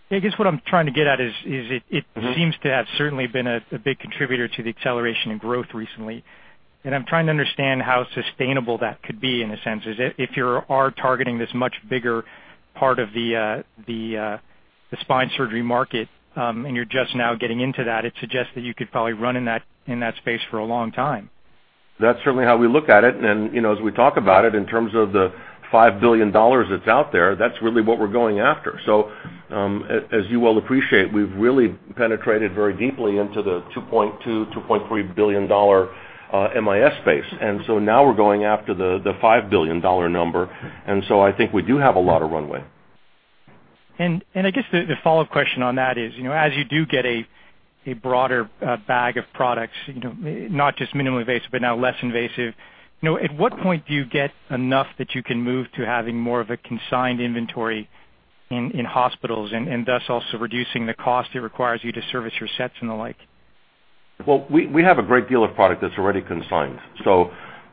Yeah. I guess what I'm trying to get at is it seems to have certainly been a big contributor to the acceleration in growth recently. I'm trying to understand how sustainable that could be in a sense. If you are targeting this much bigger part of the spine surgery market and you're just now getting into that, it suggests that you could probably run in that space for a long time. That's certainly how we look at it. As we talk about it, in terms of the $5 billion that's out there, that's really what we're going after. As you well appreciate, we've really penetrated very deeply into the $2.2-$2.3 billion MIS space. Now we're going after the $5 billion number. I think we do have a lot of runway. I guess the follow-up question on that is, as you do get a broader bag of products, not just minimally invasive, but now less invasive, at what point do you get enough that you can move to having more of a consigned inventory in hospitals and thus also reducing the cost it requires you to service your sets and the like? We have a great deal of product that's already consigned.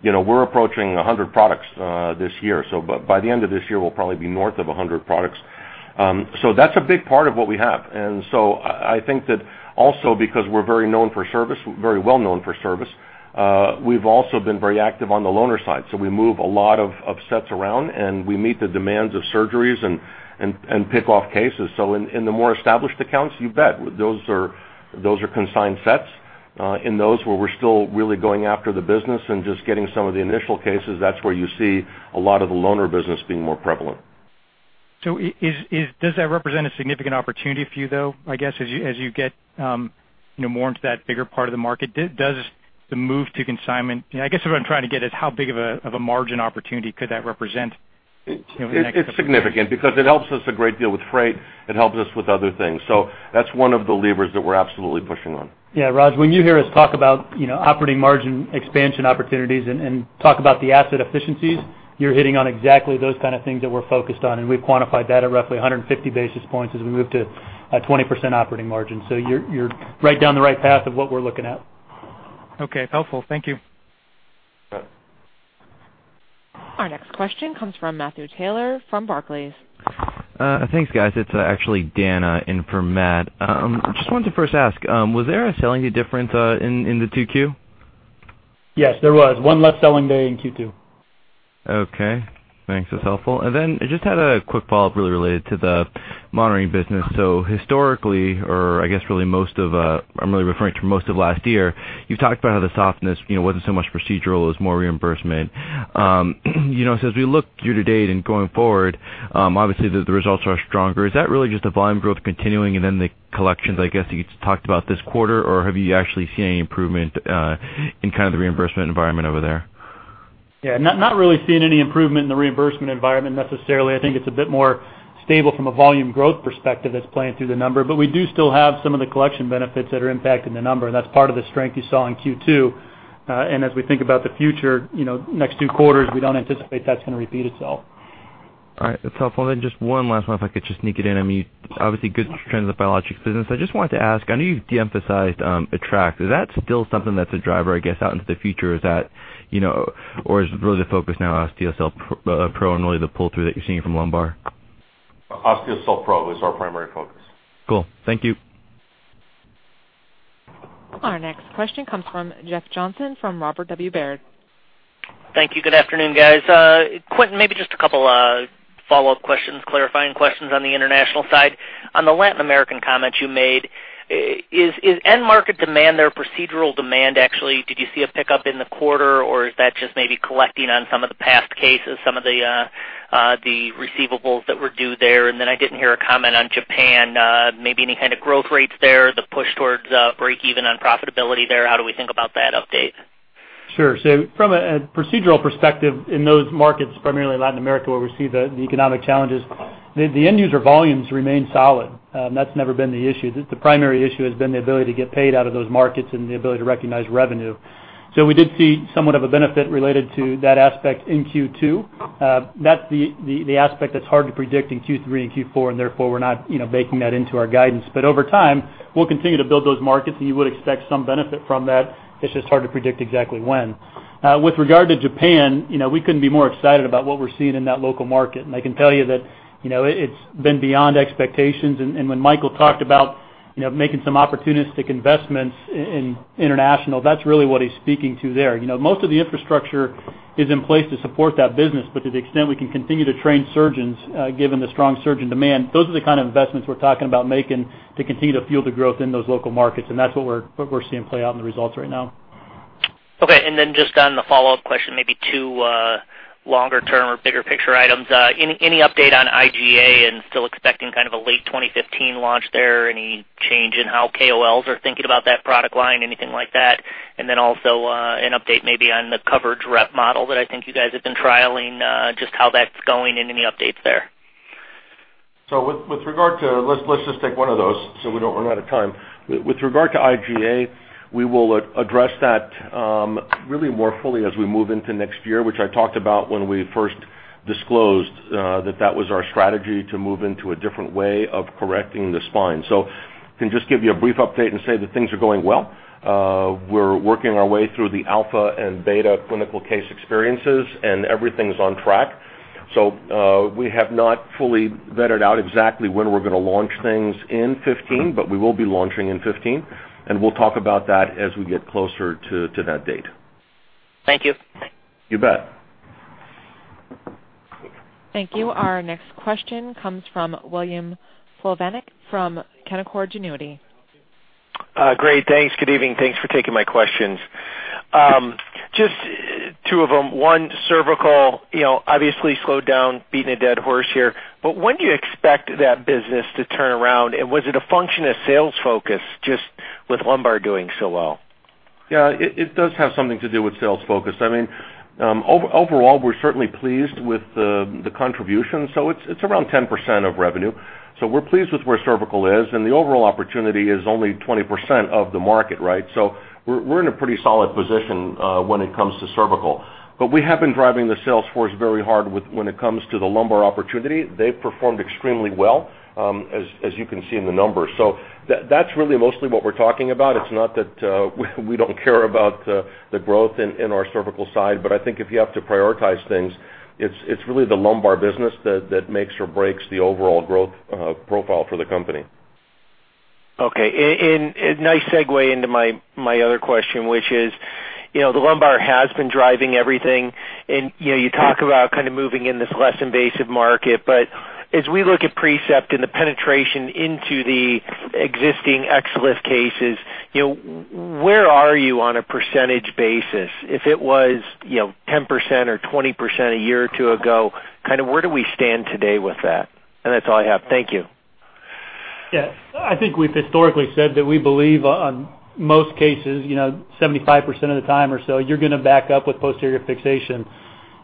We're approaching 100 products this year. By the end of this year, we'll probably be north of 100 products. That's a big part of what we have. I think that also because we're very well known for service, we've also been very active on the loaner side. We move a lot of sets around, and we meet the demands of surgeries and pick off cases. In the more established accounts, you bet. Those are consigned sets. In those where we're still really going after the business and just getting some of the initial cases, that's where you see a lot of the loaner business being more prevalent. Does that represent a significant opportunity for you, though, I guess, as you get more into that bigger part of the market? Does the move to consignment, I guess what I'm trying to get is how big of a margin opportunity could that represent in the next couple of years? It's significant because it helps us a great deal with freight. It helps us with other things. That's one of the levers that we're absolutely pushing on. Yeah. Raj, when you hear us talk about operating margin expansion opportunities and talk about the asset efficiencies, you're hitting on exactly those kinds of things that we're focused on. We've quantified that at roughly 150 basis points as we move to a 20% operating margin. You're right down the right path of what we're looking at. Okay. Helpful. Thank you. You bet. Our next question comes from Matthew Taylor from Barclays. Thanks, guys. It's actually Dan in from Matt. Just wanted to first ask, was there a selling day difference in the Q2? Yes, there was. One less selling day in Q2. Okay. Thanks. That's helpful. I just had a quick follow-up really related to the monitoring business. Historically, or I guess really most of last year, you've talked about how the softness was not so much procedural, it was more reimbursement. As we look year to date and going forward, obviously, the results are stronger. Is that really just the volume growth continuing and then the collections, I guess, that you talked about this quarter? Or have you actually seen any improvement in kind of the reimbursement environment over there? Yeah. Not really seeing any improvement in the reimbursement environment necessarily. I think it's a bit more stable from a volume growth perspective that's playing through the number. We do still have some of the collection benefits that are impacting the number. That's part of the strength you saw in Q2. As we think about the future, next two quarters, we don't anticipate that's going to repeat itself. All right. That's helpful. Then just one last one, if I could just sneak it in. I mean, obviously, good trends in the Biologics business. I just wanted to ask, I know you've de-emphasized Attract. Is that still something that's a driver, I guess, out into the future? Or is really the focus now Osteocel Pro and really the pull-through that you're seeing from lumbar? Osteocel Pro is our primary focus. Cool. Thank you. Our next question comes from Jeff Johnson from Robert W. Baird. Thank you. Good afternoon, guys. Quentin, maybe just a couple of follow-up questions, clarifying questions on the international side. On the Latin American comments you made, is end market demand there, procedural demand, actually, did you see a pickup in the quarter? Or is that just maybe collecting on some of the past cases, some of the receivables that were due there? I did not hear a comment on Japan. Maybe any kind of growth rates there, the push towards break-even on profitability there. How do we think about that update? Sure. So from a procedural perspective, in those markets, primarily Latin America, where we see the economic challenges, the end-user volumes remain solid. That's never been the issue. The primary issue has been the ability to get paid out of those markets and the ability to recognize revenue. We did see somewhat of a benefit related to that aspect in Q2. That's the aspect that's hard to predict in Q3 and Q4. Therefore, we're not baking that into our guidance. Over time, we'll continue to build those markets, and you would expect some benefit from that. It's just hard to predict exactly when. With regard to Japan, we couldn't be more excited about what we're seeing in that local market. I can tell you that it's been beyond expectations. When Michael talked about making some opportunistic investments in international, that's really what he's speaking to there. Most of the infrastructure is in place to support that business. To the extent we can continue to train surgeons given the strong surge in demand, those are the kind of investments we're talking about making to continue to fuel the growth in those local markets. That's what we're seeing play out in the results right now. Okay. And then just on the follow-up question, maybe two longer-term or bigger-picture items. Any update on IGA and still expecting kind of a late 2015 launch there? Any change in how KOLs are thinking about that product line? Anything like that? And then also an update maybe on the coverage rep model that I think you guys have been trialing, just how that's going and any updates there? With regard to let's just take one of those so we do not run out of time. With regard to IGA, we will address that really more fully as we move into next year, which I talked about when we first disclosed that that was our strategy to move into a different way of correcting the spine. I can just give you a brief update and say that things are going well. We are working our way through the alpha and beta clinical case experiences, and everything is on track. We have not fully vetted out exactly when we are going to launch things in 2015, but we will be launching in 2015. We will talk about that as we get closer to that date. Thank you. You bet. Thank you. Our next question comes from William Plovanic from Canaccord Genuity. Great. Thanks. Good evening. Thanks for taking my questions. Just two of them. One, cervical obviously slowed down, beating a dead horse here. When do you expect that business to turn around? Was it a function of sales focus just with lumbar doing so well? Yeah. It does have something to do with sales focus. I mean, overall, we're certainly pleased with the contribution. So it's around 10% of revenue. So we're pleased with where cervical is. And the overall opportunity is only 20% of the market, right? So we're in a pretty solid position when it comes to cervical. But we have been driving the sales force very hard when it comes to the lumbar opportunity. They've performed extremely well, as you can see in the numbers. So that's really mostly what we're talking about. It's not that we don't care about the growth in our cervical side. But I think if you have to prioritize things, it's really the lumbar business that makes or breaks the overall growth profile for the company. Okay. A nice segue into my other question, which is the lumbar has been driving everything. You talk about kind of moving in this less invasive market. As we look at Precept and the penetration into the existing XLIF cases, where are you on a percentage basis? If it was 10% or 20% a year or two ago, kind of where do we stand today with that? That is all I have. Thank you. Yeah. I think we've historically said that we believe on most cases, 75% of the time or so, you're going to back up with posterior fixation.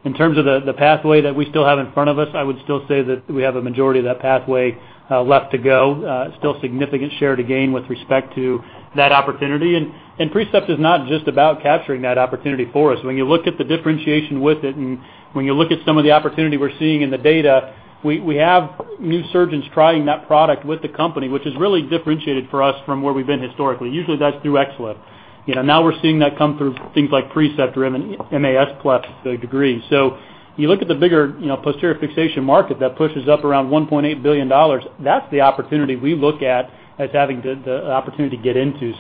In terms of the pathway that we still have in front of us, I would still say that we have a majority of that pathway left to go. Still significant share to gain with respect to that opportunity. And Precept is not just about capturing that opportunity for us. When you look at the differentiation with it and when you look at some of the opportunity we're seeing in the data, we have new surgeons trying that product with the company, which is really differentiated for us from where we've been historically. Usually, that's through XLIF. Now we're seeing that come through things like Precept or MAS PLIF. You look at the bigger posterior fixation market that pushes up around $1.8 billion. That's the opportunity we look at as having the opportunity to get into.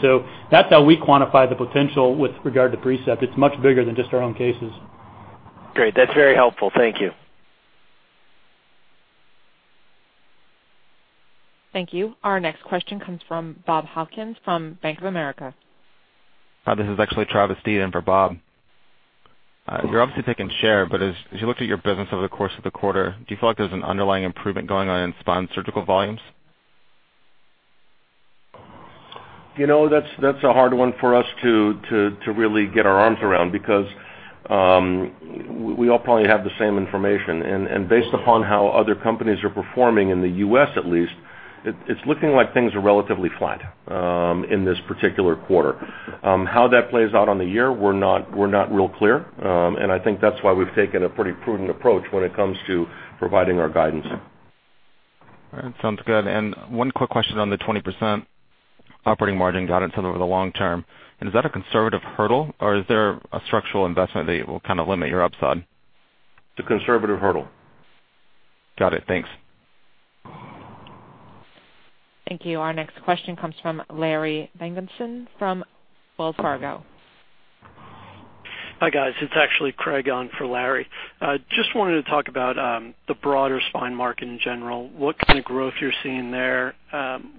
That's how we quantify the potential with regard to Precept. It's much bigger than just our own cases. Great. That's very helpful. Thank you. Thank you. Our next question comes from Bob Hopkins from Bank of America. Hi. This is actually Travis Deaton for Bob. You're obviously taking share. As you looked at your business over the course of the quarter, do you feel like there's an underlying improvement going on in spine surgical volumes? That's a hard one for us to really get our arms around because we all probably have the same information. Based upon how other companies are performing in the U.S., at least, it's looking like things are relatively flat in this particular quarter. How that plays out on the year, we're not real clear. I think that's why we've taken a pretty prudent approach when it comes to providing our guidance. All right. Sounds good. One quick question on the 20% operating margin guidance over the long term. Is that a conservative hurdle? Or is there a structural investment that will kind of limit your upside? It's a conservative hurdle. Got it. Thanks. Thank you. Our next question comes from Larry Robinson from Wells Fargo. Hi, guys. It's actually Craig on for Larry. Just wanted to talk about the broader spine market in general, what kind of growth you're seeing there,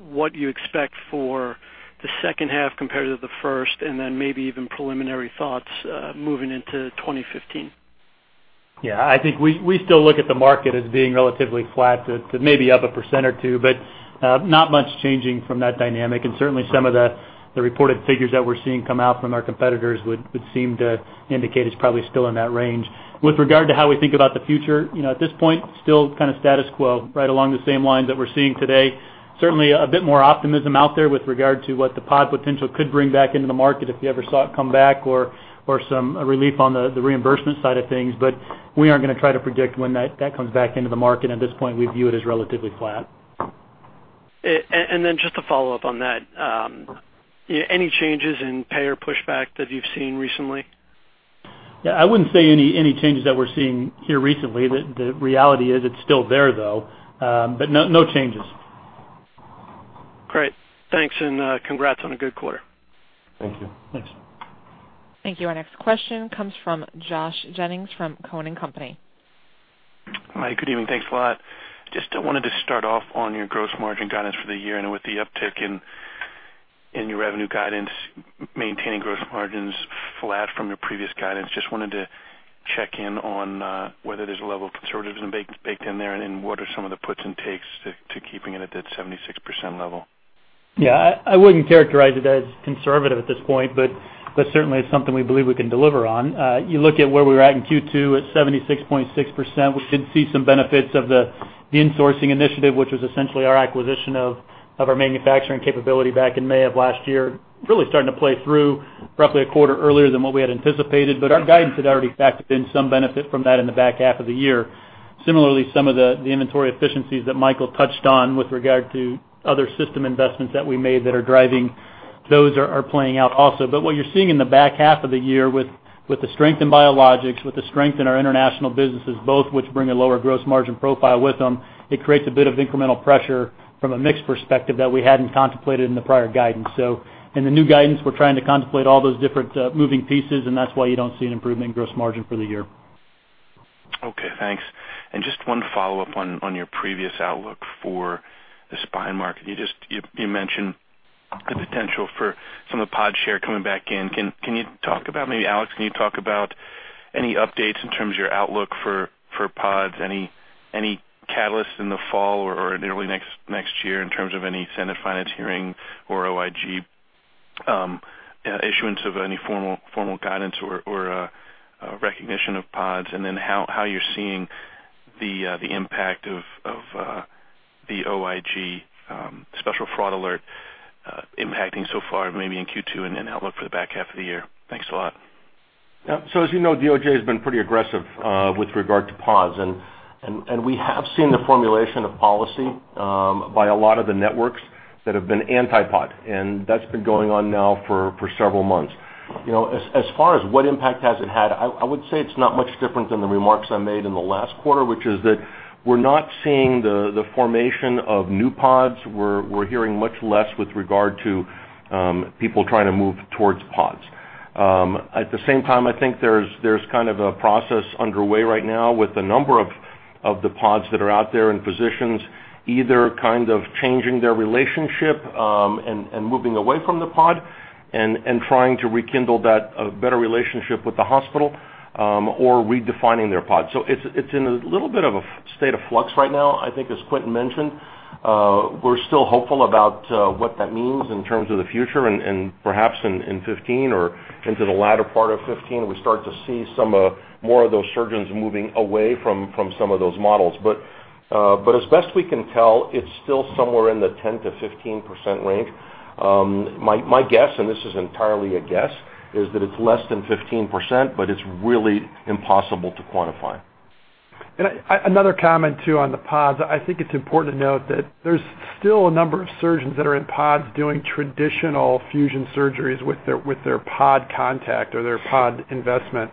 what you expect for the second half compared to the first, and then maybe even preliminary thoughts moving into 2015. Yeah. I think we still look at the market as being relatively flat to maybe up a percent or two, but not much changing from that dynamic. Certainly, some of the reported figures that we're seeing come out from our competitors would seem to indicate it's probably still in that range. With regard to how we think about the future, at this point, still kind of status quo, right along the same lines that we're seeing today. Certainly, a bit more optimism out there with regard to what the potential could bring back into the market if you ever saw it come back or some relief on the reimbursement side of things. We aren't going to try to predict when that comes back into the market. At this point, we view it as relatively flat. Just to follow up on that, any changes in payer pushback that you've seen recently? Yeah. I wouldn't say any changes that we're seeing here recently. The reality is it's still there, though. No changes. Great. Thanks. Congrats on a good quarter. Thank you. Thanks. Thank you. Our next question comes from Josh Jennings from Cowen and Company. Hi. Good evening. Thanks a lot. Just wanted to start off on your gross margin guidance for the year and with the uptick in your revenue guidance, maintaining gross margins flat from your previous guidance. Just wanted to check in on whether there's a level of conservativism baked in there and what are some of the puts and takes to keeping it at that 76% level? Yeah. I wouldn't characterize it as conservative at this point, but certainly, it's something we believe we can deliver on. You look at where we were at in Q2 at 76.6%. We did see some benefits of the insourcing initiative, which was essentially our acquisition of our manufacturing capability back in May of last year, really starting to play through roughly a quarter earlier than what we had anticipated. Our guidance had already factored in some benefit from that in the back half of the year. Similarly, some of the inventory efficiencies that Michael touched on with regard to other system investments that we made that are driving, those are playing out also. What you're seeing in the back half of the year with the strength in Biologics, with the strength in our international businesses, both which bring a lower gross margin profile with them, it creates a bit of incremental pressure from a mixed perspective that we hadn't contemplated in the prior guidance. In the new guidance, we're trying to contemplate all those different moving pieces. That's why you don't see an improvement in gross margin for the year. Okay. Thanks. Just one follow-up on your previous outlook for the spine market. You mentioned the potential for some of the pod share coming back in. Can you talk about, maybe, Alex, can you talk about any updates in terms of your outlook for pods? Any catalysts in the fall or early next year in terms of any Senate finance hearing or OIG issuance of any formal guidance or recognition of pods? Then how you're seeing the impact of the OIG special fraud alert impacting so far, maybe in Q2 and outlook for the back half of the year. Thanks a lot. Yeah. As you know, DOJ has been pretty aggressive with regard to pods. We have seen the formulation of policy by a lot of the networks that have been anti-pod. That has been going on now for several months. As far as what impact has it had, I would say it's not much different than the remarks I made in the last quarter, which is that we're not seeing the formation of new pods. We're hearing much less with regard to people trying to move towards pods. At the same time, I think there's kind of a process underway right now with a number of the pods that are out there in positions either kind of changing their relationship and moving away from the pod and trying to rekindle that better relationship with the hospital or redefining their pod. It is in a little bit of a state of flux right now. I think, as Quentin mentioned, we are still hopeful about what that means in terms of the future. Perhaps in 2015 or into the latter part of 2015, we start to see some more of those surgeons moving away from some of those models. As best we can tell, it is still somewhere in the 10-15% range. My guess, and this is entirely a guess, is that it is less than 15%, but it is really impossible to quantify. Another comment too on the pods. I think it's important to note that there's still a number of surgeons that are in pods doing traditional fusion surgeries with their pod contact or their pod investment.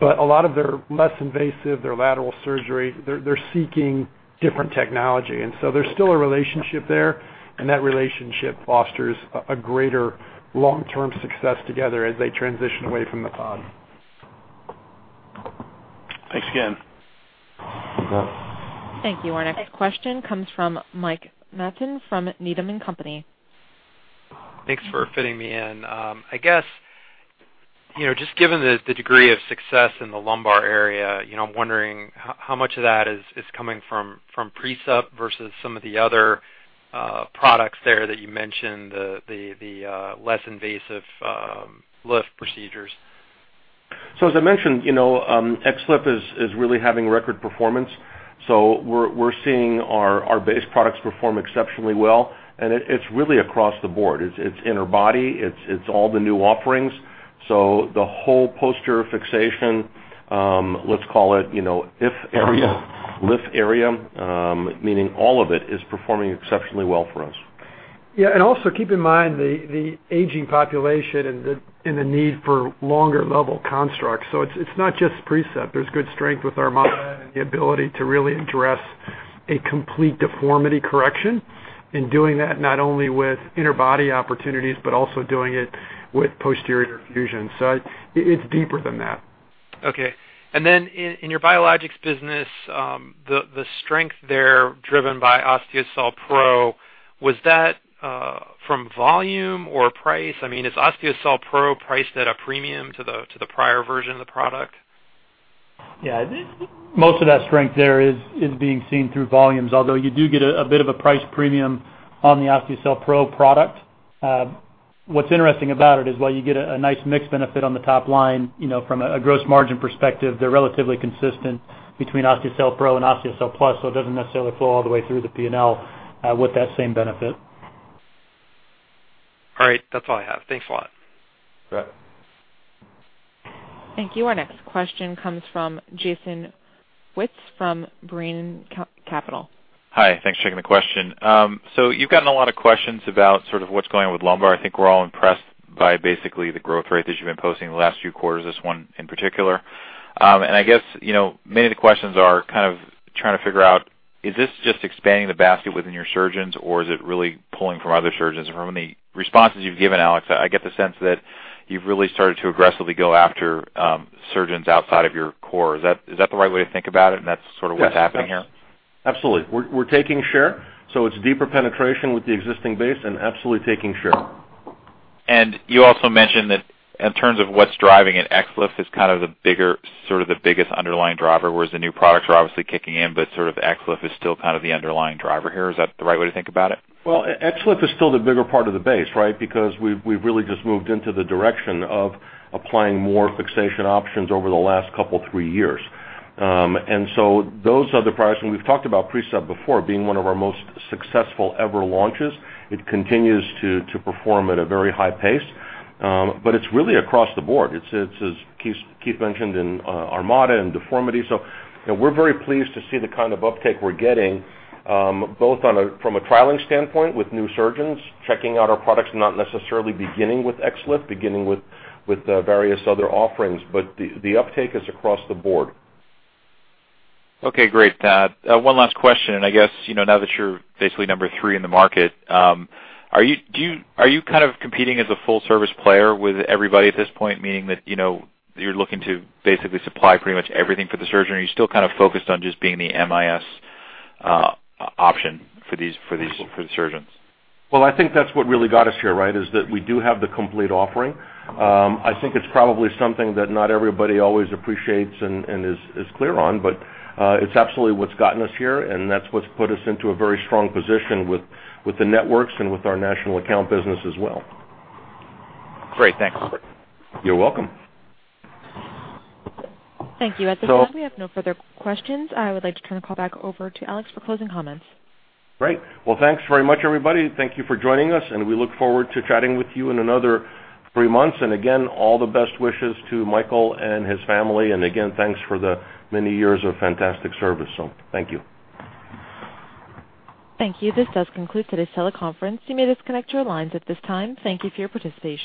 A lot of their less invasive, their lateral surgery, they're seeking different technology. There's still a relationship there. That relationship fosters a greater long-term success together as they transition away from the pod. Thanks again. Thank you. Our next question comes from Mike Matthew from Needham & Company. Thanks for fitting me in. I guess just given the degree of success in the lumbar area, I'm wondering how much of that is coming from Precept versus some of the other products there that you mentioned, the less invasive lift procedures. As I mentioned, XLIF is really having record performance. We are seeing our base products perform exceptionally well. It is really across the board. It is interbody. It is all the new offerings. The whole posterior fixation, let us call it the XLIF area, meaning all of it is performing exceptionally well for us. Yeah. Also keep in mind the aging population and the need for longer level constructs. It is not just Precept. There is good strength with our model and the ability to really address a complete deformity correction and doing that not only with inner body opportunities but also doing it with posterior fusion. It is deeper than that. Okay. In your Biologics business, the strength there driven by Osteocel Pro, was that from volume or price? I mean, is Osteocel Pro priced at a premium to the prior version of the product? Yeah. Most of that strength there is being seen through volumes, although you do get a bit of a price premium on the Osteocel Pro product. What's interesting about it is, while you get a nice mixed benefit on the top line from a gross margin perspective, they're relatively consistent between Osteocel Pro and Osteocel Plus. So it doesn't necessarily flow all the way through the P&L with that same benefit. All right. That's all I have. Thanks a lot. Great. Thank you. Our next question comes from Jason Witz from BMO Capital. Hi. Thanks for taking the question. You have gotten a lot of questions about sort of what is going on with lumbar. I think we are all impressed by basically the growth rate that you have been posting the last few quarters, this one in particular. I guess many of the questions are kind of trying to figure out, is this just expanding the basket within your surgeons, or is it really pulling from other surgeons? From the responses you have given, Alex, I get the sense that you have really started to aggressively go after surgeons outside of your core. Is that the right way to think about it? That is sort of what is happening here? Yes. Absolutely. We're taking share. So it's deeper penetration with the existing base and absolutely taking share. You also mentioned that in terms of what's driving it, XLIF is kind of sort of the biggest underlying driver, whereas the new products are obviously kicking in. But sort of XLIF is still kind of the underlying driver here. Is that the right way to think about it? ExLift is still the bigger part of the base, right, because we've really just moved into the direction of applying more fixation options over the last couple of three years. And so those are the products. We've talked about Precept before being one of our most successful ever launches. It continues to perform at a very high pace. It's really across the board. It's, as Keith mentioned, in Armada and deformity. We're very pleased to see the kind of uptake we're getting, both from a trialing standpoint with new surgeons, checking out our products, not necessarily beginning with ExLift, beginning with various other offerings. The uptake is across the board. Okay. Great. One last question. I guess now that you're basically number three in the market, are you kind of competing as a full-service player with everybody at this point, meaning that you're looking to basically supply pretty much everything for the surgeon, or are you still kind of focused on just being the MIS option for the surgeons? I think that's what really got us here, right, is that we do have the complete offering. I think it's probably something that not everybody always appreciates and is clear on. It's absolutely what's gotten us here. That's what's put us into a very strong position with the networks and with our national account business as well. Great. Thanks. You're welcome. Thank you. At this point, we have no further questions. I would like to turn the call back over to Alex for closing comments. Great. Thank you very much, everybody. Thank you for joining us. We look forward to chatting with you in another three months. Again, all the best wishes to Michael and his family. Again, thanks for the many years of fantastic service. Thank you. Thank you. This does conclude today's teleconference. You may disconnect your lines at this time. Thank you for your participation.